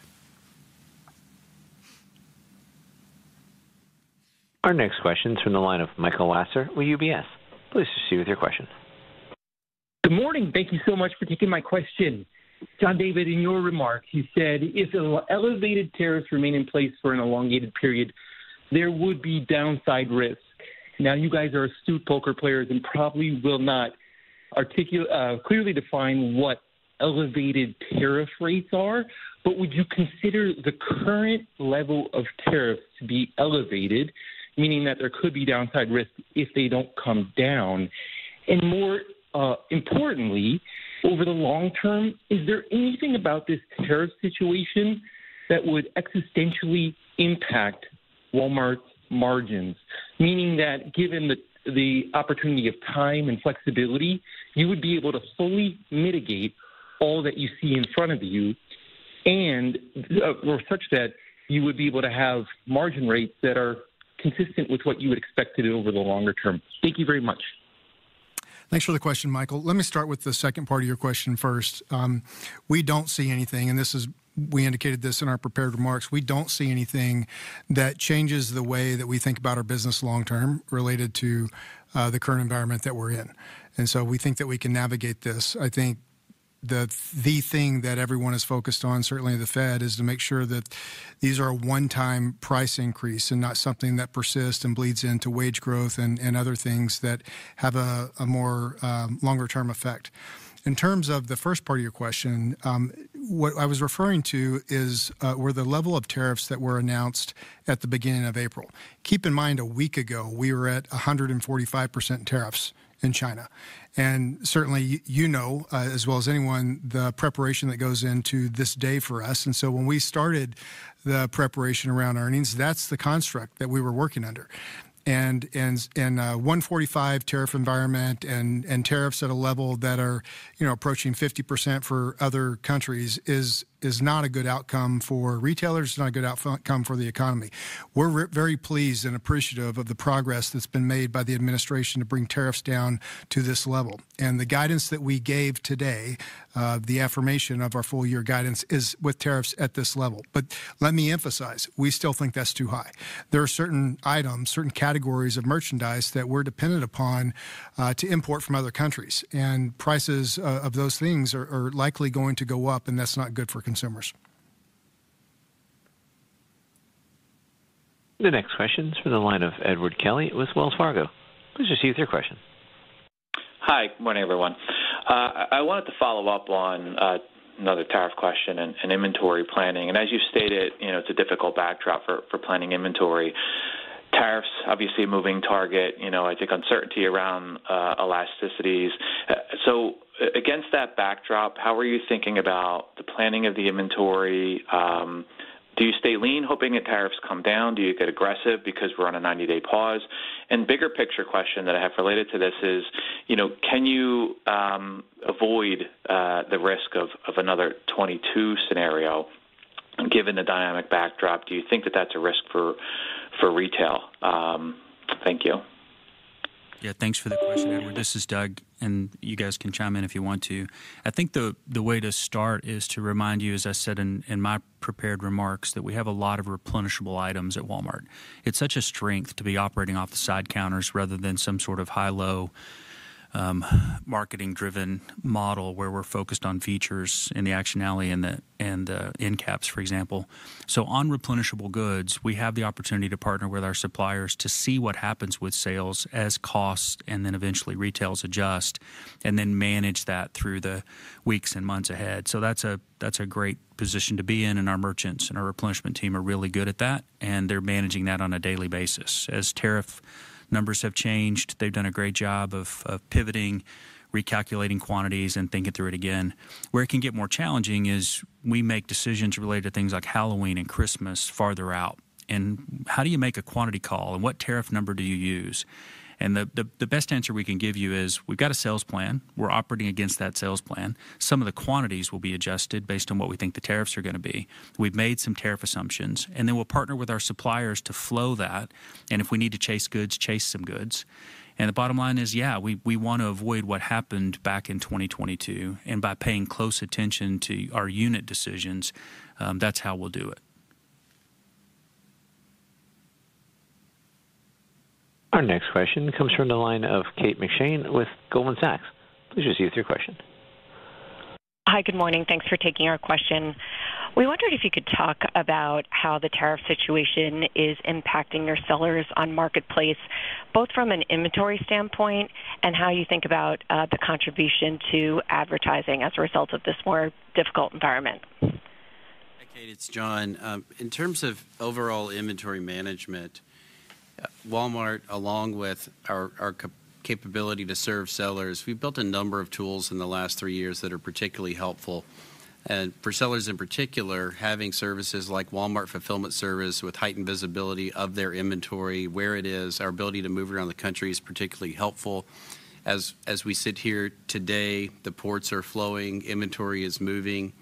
Our next question is from the line of Michael Lasser with UBS. Please proceed with your question. Good morning. Thank you so much for taking my question. John David, in your remarks, you said if elevated tariffs remain in place for an elongated period, there would be downside risk. You guys are astute poker players and probably will not clearly define what elevated tariff rates are, but would you consider the current level of tariffs to be elevated, meaning that there could be downside risk if they do not come down? More importantly, over the long term, is there anything about this tariff situation that would existentially impact Walmart's margins, meaning that given the opportunity of time and flexibility, you would be able to fully mitigate all that you see in front of you and such that you would be able to have margin rates that are consistent with what you would expect to do over the longer term? Thank you very much. Thanks for the question, Michael. Let me start with the second part of your question first. We do not see anything, and we indicated this in our prepared remarks. We do not see anything that changes the way that we think about our business long-term related to the current environment that we are in. We think that we can navigate this. I think the thing that everyone is focused on, certainly the Fed, is to make sure that these are a one-time price increase and not something that persists and bleeds into wage growth and other things that have a more longer-term effect. In terms of the first part of your question, what I was referring to is the level of tariffs that were announced at the beginning of April. Keep in mind, a week ago, we were at 145% tariffs in China. Certainly, you know, as well as anyone, the preparation that goes into this day for us. When we started the preparation around earnings, that's the construct that we were working under. A 145 tariff environment and tariffs at a level that are approaching 50% for other countries is not a good outcome for retailers. It's not a good outcome for the economy. We're very pleased and appreciative of the progress that's been made by the administration to bring tariffs down to this level. The guidance that we gave today, the affirmation of our full-year guidance, is with tariffs at this level. Let me emphasize, we still think that's too high. There are certain items, certain categories of merchandise that we're dependent upon to import from other countries. Prices of those things are likely going to go up, and that's not good for consumers. The next question is from the line of Edward Kelly with Wells Fargo. Please proceed with your question. Hi. Good morning, everyone. I wanted to follow up on another tariff question and inventory planning. As you've stated, it's a difficult backdrop for planning inventory. Tariffs, obviously, moving target. I think uncertainty around elasticities. Against that backdrop, how are you thinking about the planning of the inventory? Do you stay lean, hoping that tariffs come down? Do you get aggressive because we're on a 90-day pause? Bigger picture question that I have related to this is, can you avoid the risk of another 2022 scenario given the dynamic backdrop? Do you think that that's a risk for retail? Thank you. Yeah, thanks for the question, Edward. This is Doug, and you guys can chime in if you want to. I think the way to start is to remind you, as I said in my prepared remarks, that we have a lot of replenishable items at Walmart. It's such a strength to be operating off the side counters rather than some sort of high-low marketing-driven model where we're focused on features and the actionality and the in-caps, for example. On replenishable goods, we have the opportunity to partner with our suppliers to see what happens with sales as costs and then eventually retails adjust and then manage that through the weeks and months ahead. That's a great position to be in. Our merchants and our replenishment team are really good at that, and they're managing that on a daily basis. As tariff numbers have changed, they've done a great job of pivoting, recalculating quantities, and thinking through it again. Where it can get more challenging is we make decisions related to things like Halloween and Christmas farther out. How do you make a quantity call? What tariff number do you use? The best answer we can give you is we've got a sales plan. We're operating against that sales plan. Some of the quantities will be adjusted based on what we think the tariffs are going to be. We've made some tariff assumptions, and then we'll partner with our suppliers to flow that. If we need to chase goods, chase some goods. The bottom line is, yeah, we want to avoid what happened back in 2022. By paying close attention to our unit decisions, that's how we'll do it. Our next question comes from the line of Kate McShane with Goldman Sachs. Please proceed with your question. Hi, good morning. Thanks for taking our question. We wondered if you could talk about how the tariff situation is impacting your sellers on marketplace, both from an inventory standpoint and how you think about the contribution to advertising as a result of this more difficult environment. Hi, Kate. It's John. In terms of overall inventory management, Walmart, along with our capability to serve sellers, we've built a number of tools in the last three years that are particularly helpful. For sellers in particular, having services like Walmart Fulfillment Services with heightened visibility of their inventory, where it is, our ability to move around the country is particularly helpful. As we sit here today, the ports are flowing, inventory is moving.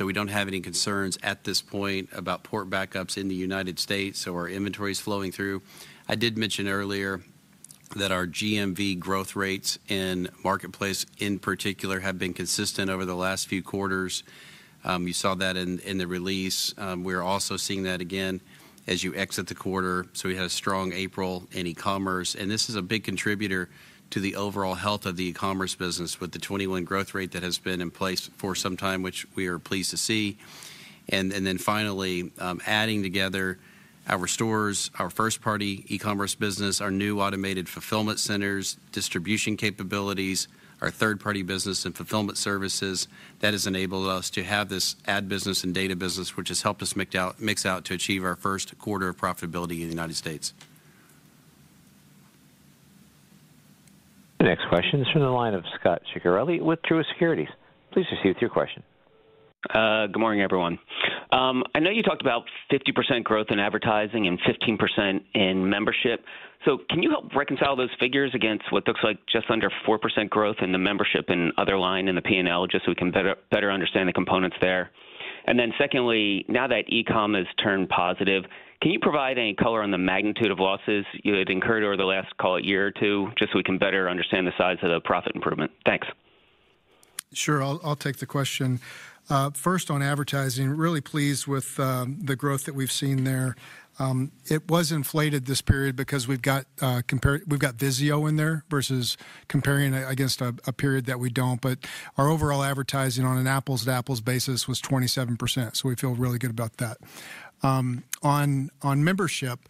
We don't have any concerns at this point about port backups in the United States. Our inventory is flowing through. I did mention earlier that our GMV growth rates and marketplace, in particular, have been consistent over the last few quarters. You saw that in the release. We are also seeing that again as you exit the quarter. We had a strong April in e-commerce. This is a big contributor to the overall health of the e-commerce business with the 21% growth rate that has been in place for some time, which we are pleased to see. Finally, adding together our stores, our first-party e-commerce business, our new automated fulfillment centers, distribution capabilities, our third-party business and fulfillment services, that has enabled us to have this ad business and data business, which has helped us mix out to achieve our first quarter of profitability in the U.S. The next question is from the line of Scott Ciccarelli with Truist Securities. Please proceed with your question. Good morning, everyone. I know you talked about 50% growth in advertising and 15% in membership. Can you help reconcile those figures against what looks like just under 4% growth in the membership and other line in the P&L, just so we can better understand the components there? Secondly, now that e-com has turned positive, can you provide any color on the magnitude of losses you had incurred over the last, call it, year or two, just so we can better understand the size of the profit improvement? Thanks. Sure. I'll take the question. First, on advertising, really pleased with the growth that we've seen there. It was inflated this period because we've got VIZIO in there versus comparing against a period that we don't. Our overall advertising on an apples-to-apples basis was 27%. We feel really good about that. On membership,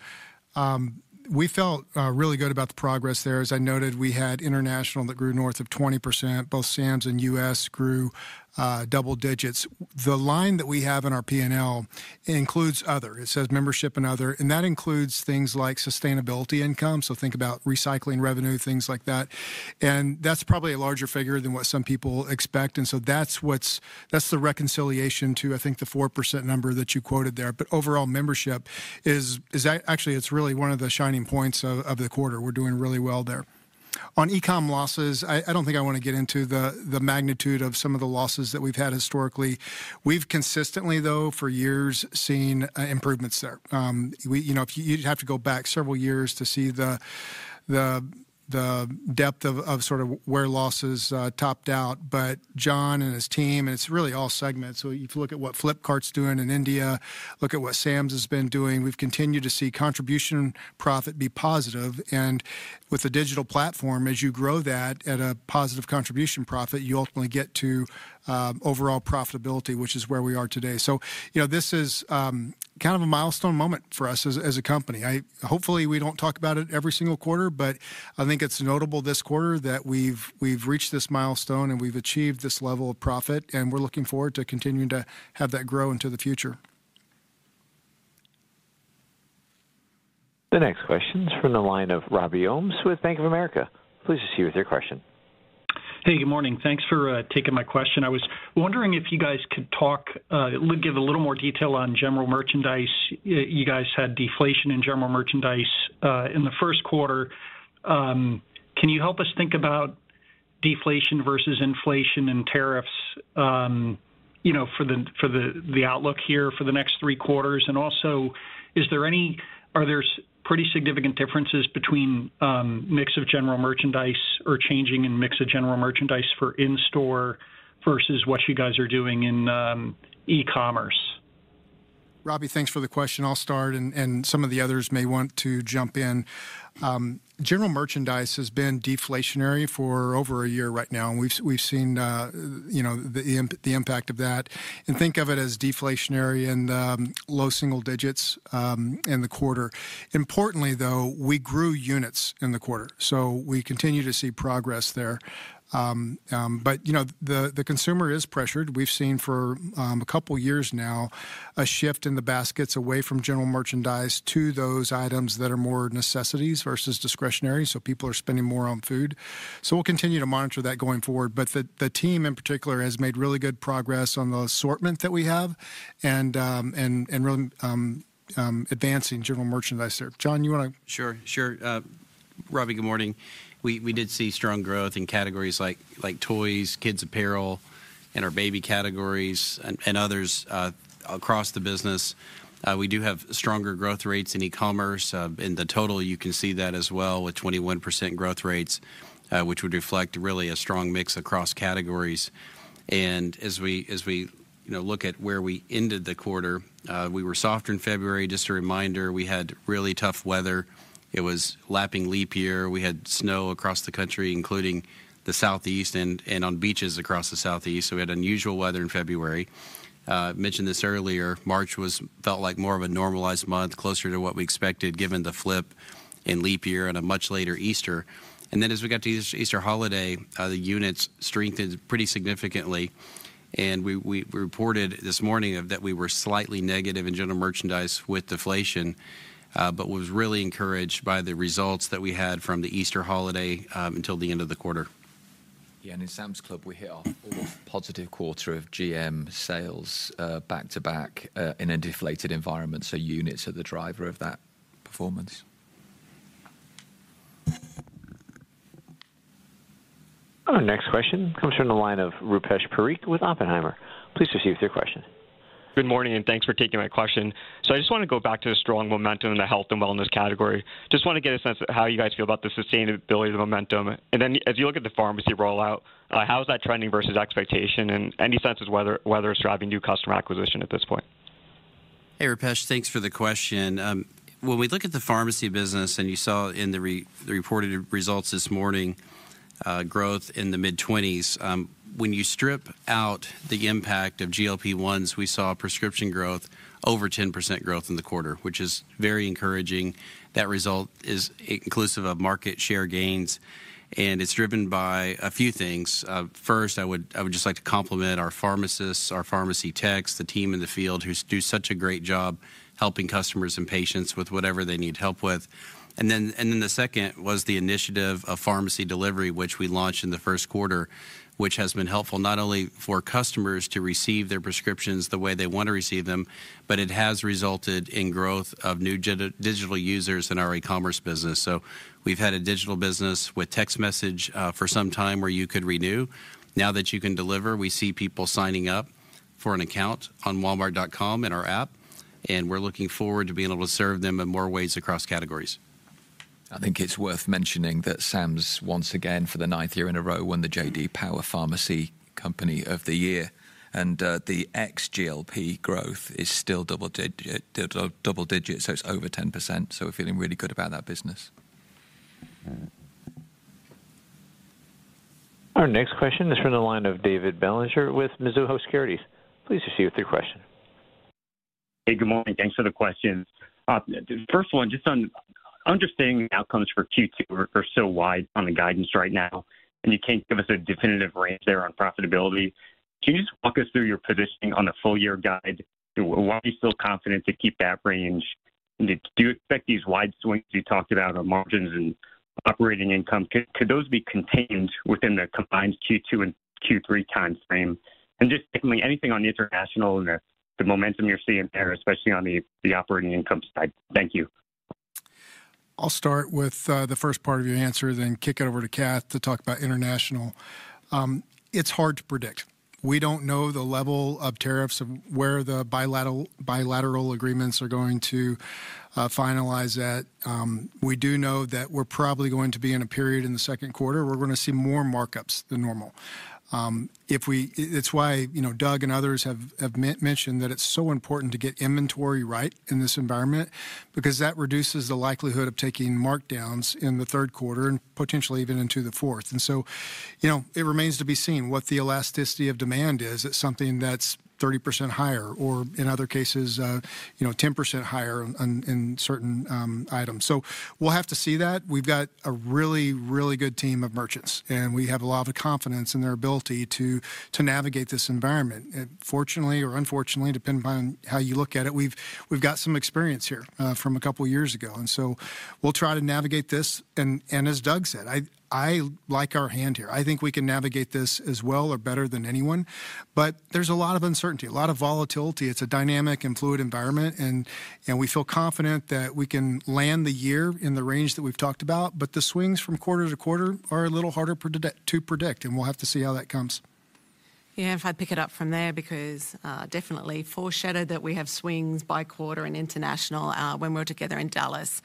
we felt really good about the progress there. As I noted, we had international that grew north of 20%. Both Sam's and U.S. grew double digits. The line that we have in our P&L includes other. It says membership and other. That includes things like sustainability income. Think about recycling revenue, things like that. That is probably a larger figure than what some people expect. That is the reconciliation to, I think, the 4% number that you quoted there. Overall membership is actually, it is really one of the shining points of the quarter. We are doing really well there. On e-com losses, I do not think I want to get into the magnitude of some of the losses that we have had historically. We have consistently, though, for years, seen improvements there. You'd have to go back several years to see the depth of sort of where losses topped out. John and his team, and it's really all segments. If you look at what Flipkart's doing in India, look at what Sam's has been doing, we've continued to see contribution profit be positive. With a digital platform, as you grow that at a positive contribution profit, you ultimately get to overall profitability, which is where we are today. This is kind of a milestone moment for us as a company. Hopefully, we don't talk about it every single quarter, but I think it's notable this quarter that we've reached this milestone and we've achieved this level of profit. We're looking forward to continuing to have that grow into the future. The next question is from the line of Robbie Ohmes with Bank of America. Please proceed with your question. Hey, good morning. Thanks for taking my question. I was wondering if you guys could talk, give a little more detail on general merchandise. You guys had deflation in general merchandise in the first quarter. Can you help us think about deflation versus inflation and tariffs for the outlook here for the next three quarters? Also, are there pretty significant differences between mix of general merchandise or changing in mix of general merchandise for in-store versus what you guys are doing in e-commerce? Robbie, thanks for the question. I'll start, and some of the others may want to jump in. General merchandise has been deflationary for over a year right now, and we've seen the impact of that. Think of it as deflationary and low single digits in the quarter. Importantly, though, we grew units in the quarter. We continue to see progress there. The consumer is pressured. We've seen for a couple of years now a shift in the baskets away from general merchandise to those items that are more necessities versus discretionary. People are spending more on food. We'll continue to monitor that going forward. The team, in particular, has made really good progress on the assortment that we have and really advancing general merchandise there. John, you want to? Sure. Sure. Robbie, good morning. We did see strong growth in categories like toys, kids' apparel, and our baby categories, and others across the business. We do have stronger growth rates in e-commerce. In the total, you can see that as well with 21% growth rates, which would reflect really a strong mix across categories. As we look at where we ended the quarter, we were softer in February. Just a reminder, we had really tough weather. It was lapping leap year. We had snow across the country, including the southeast and on beaches across the southeast. We had unusual weather in February. Mentioned this earlier, March felt like more of a normalized month, closer to what we expected given the flip in leap year and a much later Easter. As we got to Easter holiday, the units strengthened pretty significantly. We reported this morning that we were slightly negative in general merchandise with deflation, but was really encouraged by the results that we had from the Easter holiday until the end of the quarter. In Sam's Club, we hit a positive quarter of GM sales back to back in a deflated environment. Units are the driver of that performance. Our next question comes from the line of Rupesh Parikh with Oppenheimer. Please proceed with your question. Good morning, and thanks for taking my question. I just want to go back to the strong momentum in the health and wellness category. I just want to get a sense of how you guys feel about the sustainability of the momentum. As you look at the pharmacy rollout, how is that trending versus expectation? Any sense of whether it's driving new customer acquisition at this point? Hey, Rupesh, thanks for the question. When we look at the pharmacy business, and you saw in the reported results this morning growth in the mid-20s, when you strip out the impact of GLP-1s, we saw prescription growth, over 10% growth in the quarter, which is very encouraging. That result is inclusive of market share gains. It's driven by a few things. First, I would just like to compliment our pharmacists, our pharmacy techs, the team in the field who do such a great job helping customers and patients with whatever they need help with. The second was the initiative of pharmacy delivery, which we launched in the first quarter, which has been helpful not only for customers to receive their prescriptions the way they want to receive them, but it has resulted in growth of new digital users in our e-commerce business. We have had a digital business with text message for some time where you could renew. Now that you can deliver, we see people signing up for an account on walmart.com in our app. We are looking forward to being able to serve them in more ways across categories. I think it's worth mentioning that Sam's, once again, for the ninth year in a row, won the J.D. Power Pharmacy Company of the Year. The ex-GLP growth is still double digits, so it's over 10%. We're feeling really good about that business. Our next question is from the line of David Bellinger with Mizuho Securities. Please proceed with your question. Hey, good morning. Thanks for the question. First of all, just on understanding outcomes for Q2 are so wide on the guidance right now, and you can't give us a definitive range there on profitability. Can you just walk us through your positioning on the full-year guide? Why are you still confident to keep that range? Do you expect these wide swings you talked about on margins and operating income, could those be contained within the combined Q2 and Q3 timeframe? Definitely anything on the international and the momentum you're seeing there, especially on the operating income side. Thank you. I'll start with the first part of your answer, then kick it over to Kath to talk about International. It's hard to predict. We don't know the level of tariffs or where the bilateral agreements are going to finalize at. We do know that we're probably going to be in a period in the second quarter where we're going to see more markups than normal. It's why Doug and others have mentioned that it's so important to get inventory right in this environment because that reduces the likelihood of taking markdowns in the third quarter and potentially even into the fourth. It remains to be seen what the elasticity of demand is. It's something that's 30% higher or, in other cases, 10% higher in certain items. We have to see that. We've got a really, really good team of merchants, and we have a lot of confidence in their ability to navigate this environment. Fortunately or unfortunately, depending upon how you look at it, we've got some experience here from a couple of years ago. We will try to navigate this. As Doug said, I like our hand here. I think we can navigate this as well or better than anyone. There is a lot of uncertainty, a lot of volatility. It's a dynamic and fluid environment. We feel confident that we can land the year in the range that we've talked about. The swings from quarter to quarter are a little harder to predict. We have to see how that comes. Yeah. If I pick it up from there because definitely foreshadowed that we have swings by quarter in international when we're together in Dallas.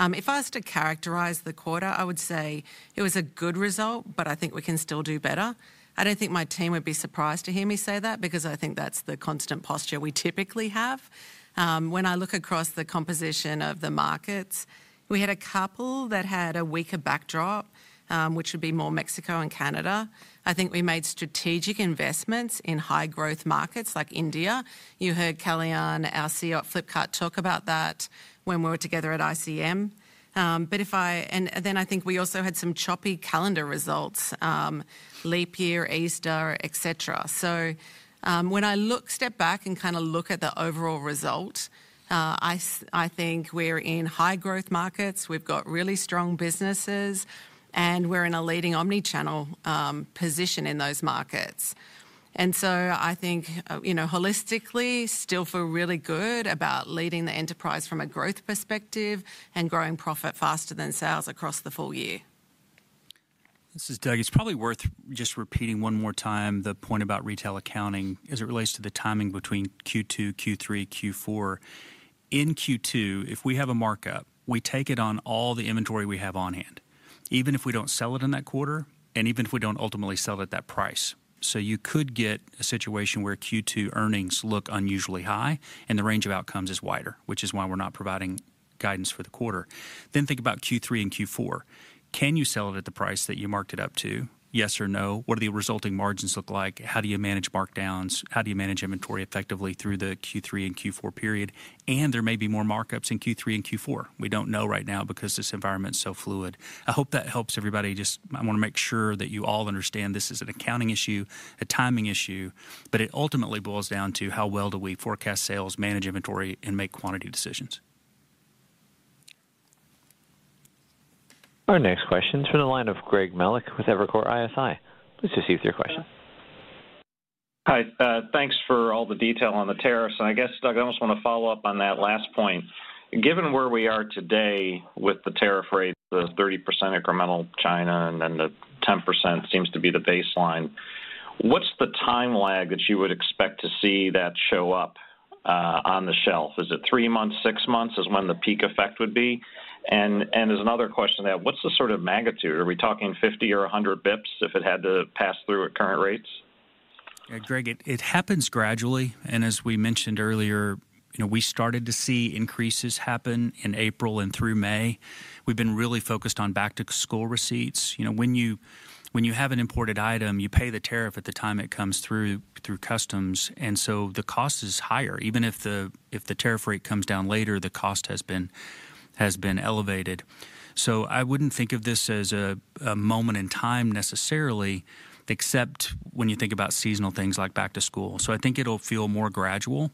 If I was to characterize the quarter, I would say it was a good result, but I think we can still do better. I do not think my team would be surprised to hear me say that because I think that's the constant posture we typically have. When I look across the composition of the markets, we had a couple that had a weaker backdrop, which would be more Mexico and Canada. I think we made strategic investments in high-growth markets like India. You heard Kalyan, our CEO at Flipkart, talk about that when we were together at ICM. I think we also had some choppy calendar results, leap year, Easter, et cetera. When I step back and kind of look at the overall result, I think we're in high-growth markets. We've got really strong businesses, and we're in a leading omnichannel position in those markets. I think, holistically, still feel really good about leading the enterprise from a growth perspective and growing profit faster than sales across the full year. This is Doug. It's probably worth just repeating one more time the point about retail accounting as it relates to the timing between Q2, Q3, Q4. In Q2, if we have a markup, we take it on all the inventory we have on hand, even if we don't sell it in that quarter and even if we don't ultimately sell it at that price. You could get a situation where Q2 earnings look unusually high and the range of outcomes is wider, which is why we're not providing guidance for the quarter. Think about Q3 and Q4. Can you sell it at the price that you marked it up to? Yes or no? What do the resulting margins look like? How do you manage markdowns? How do you manage inventory effectively through the Q3 and Q4 period? There may be more markups in Q3 and Q4. We do not know right now because this environment is so fluid. I hope that helps everybody. I just want to make sure that you all understand this is an accounting issue, a timing issue, but it ultimately boils down to how well we forecast sales, manage inventory, and make quantity decisions. Our next question is from the line of Greg Melich with Evercore ISI. Please proceed with your question. Hi. Thanks for all the detail on the tariffs. I guess, Doug, I just want to follow up on that last point. Given where we are today with the tariff rate, the 30% incremental China and then the 10% seems to be the baseline, what's the time lag that you would expect to see that show up on the shelf? Is it three months, six months is when the peak effect would be? As another question to that, what's the sort of magnitude? Are we talking 50 bps or 100 bps if it had to pass through at current rates? Greg, it happens gradually. As we mentioned earlier, we started to see increases happen in April and through May. We've been really focused on back-to-school receipts. When you have an imported item, you pay the tariff at the time it comes through customs. The cost is higher. Even if the tariff rate comes down later, the cost has been elevated. I would not think of this as a moment in time necessarily, except when you think about seasonal things like back-to-school. I think it will feel more gradual.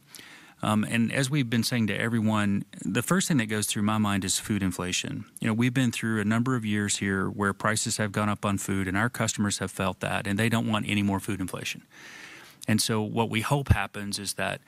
As we have been saying to everyone, the first thing that goes through my mind is food inflation. We have been through a number of years here where prices have gone up on food, and our customers have felt that, and they do not want any more food inflation. What we hope happens is that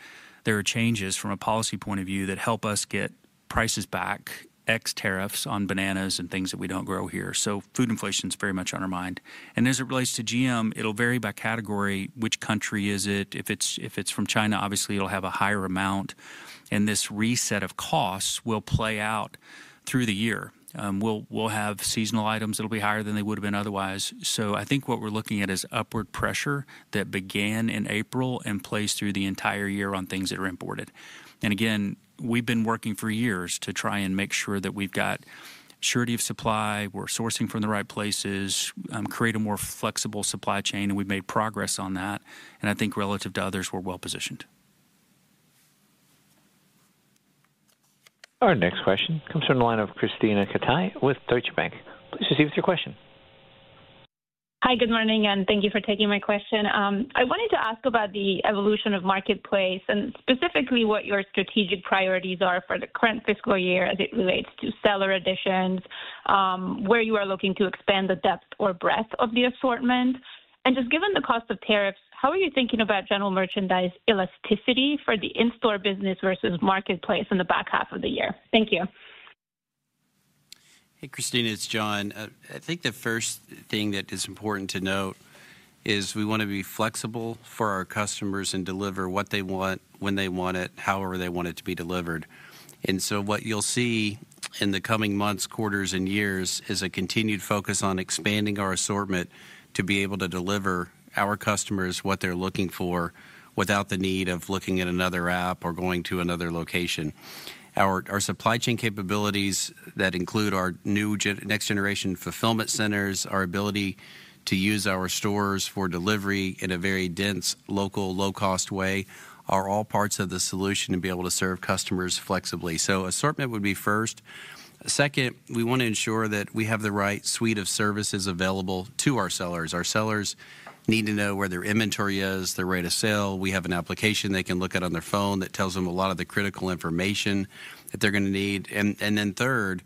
there are changes from a policy point of view that help us get prices back ex-tariffs on bananas and things that we do not grow here. Food inflation is very much on our mind. As it relates to GM, it will vary by category. Which country is it? If it's from China, obviously, it'll have a higher amount. This reset of costs will play out through the year. We'll have seasonal items that'll be higher than they would have been otherwise. I think what we're looking at is upward pressure that began in April and plays through the entire year on things that are imported. Again, we've been working for years to try and make sure that we've got surety of supply, we're sourcing from the right places, create a more flexible supply chain, and we've made progress on that. I think relative to others, we're well positioned. Our next question comes from the line of Krisztina Katai with Deutsche Bank. Please proceed with your question. Hi. Good morning, and thank you for taking my question. I wanted to ask about the evolution of marketplace and specifically what your strategic priorities are for the current fiscal year as it relates to seller additions, where you are looking to expand the depth or breadth of the assortment. Just given the cost of tariffs, how are you thinking about general merchandise elasticity for the in-store business versus marketplace in the back half of the year? Thank you. Hey, Krisztina, it's John. I think the first thing that is important to note is we want to be flexible for our customers and deliver what they want, when they want it, however they want it to be delivered. What you'll see in the coming months, quarters, and years is a continued focus on expanding our assortment to be able to deliver our customers what they're looking for without the need of looking at another app or going to another location. Our supply chain capabilities that include our new next-generation fulfillment centers, our ability to use our stores for delivery in a very dense, local, low-cost way are all parts of the solution to be able to serve customers flexibly. Assortment would be first. Second, we want to ensure that we have the right suite of services available to our sellers. Our sellers need to know where their inventory is, their rate of sale. We have an application they can look at on their phone that tells them a lot of the critical information that they're going to need. Third,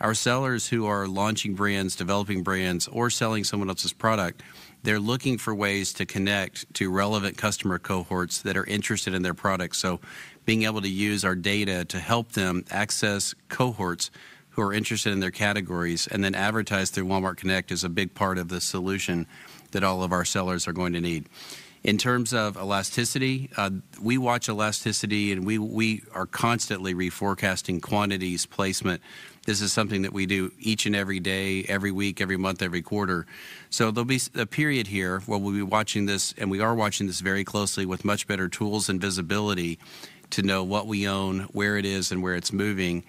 our sellers who are launching brands, developing brands, or selling someone else's product, they're looking for ways to connect to relevant customer cohorts that are interested in their products. Being able to use our data to help them access cohorts who are interested in their categories and then advertise through Walmart Connect is a big part of the solution that all of our sellers are going to need. In terms of elasticity, we watch elasticity, and we are constantly reforecasting quantities, placement. This is something that we do each and every day, every week, every month, every quarter. There will be a period here where we will be watching this, and we are watching this very closely with much better tools and visibility to know what we own, where it is, and where it is moving.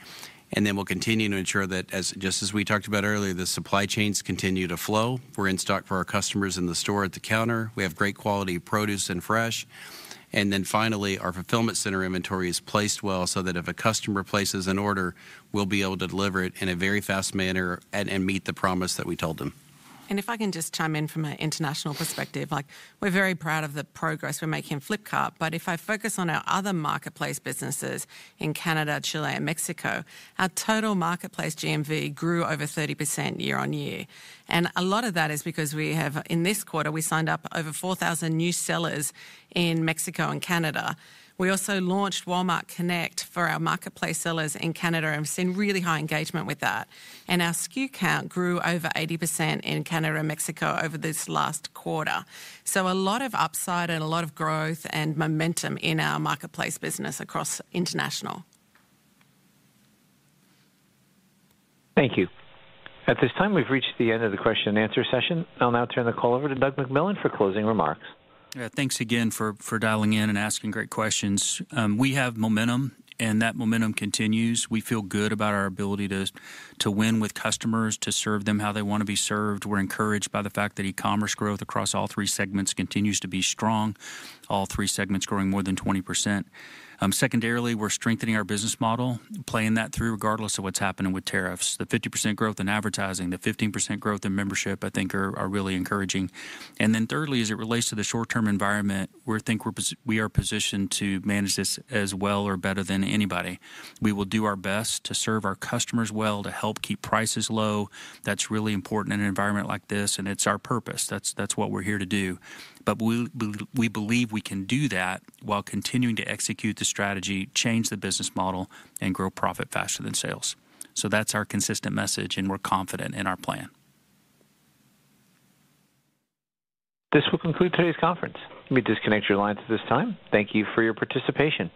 We will continue to ensure that, just as we talked about earlier, the supply chains continue to flow. We are in stock for our customers in the store at the counter. We have great quality produce and fresh. Finally, our fulfillment center inventory is placed well so that if a customer places an order, we will be able to deliver it in a very fast manner and meet the promise that we told them. If I can just chime in from an International perspective, we are very proud of the progress we are making in Flipkart. If I focus on our other marketplace businesses in Canada, Chile, and Mexico, our total marketplace GMV grew over 30% year-on-year. A lot of that is because in this quarter, we signed up over 4,000 new sellers in Mexico and Canada. We also launched Walmart Connect for our marketplace sellers in Canada and have seen really high engagement with that. Our SKU count grew over 80% in Canada and Mexico over this last quarter. A lot of upside and a lot of growth and momentum in our marketplace business across International. Thank you. At this time, we have reached the end of the question-and-answer session. I will now turn the call over to Doug McMillon for closing remarks. Thanks again for dialing in and asking great questions. We have momentum, and that momentum continues. We feel good about our ability to win with customers, to serve them how they want to be served. We are encouraged by the fact that e-commerce growth across all three segments continues to be strong, all three segments growing more than 20%. Secondarily, we are strengthening our business model, playing that through regardless of what is happening with tariffs. The 50% growth in advertising, the 15% growth in membership, I think, are really encouraging. Thirdly, as it relates to the short-term environment, we think we are positioned to manage this as well or better than anybody. We will do our best to serve our customers well, to help keep prices low. That is really important in an environment like this, and it is our purpose. That is what we are here to do. We believe we can do that while continuing to execute the strategy, change the business model, and grow profit faster than sales. That is our consistent message, and we are confident in our plan. This will conclude today's conference. Let me disconnect your lines at this time. Thank you for your participation.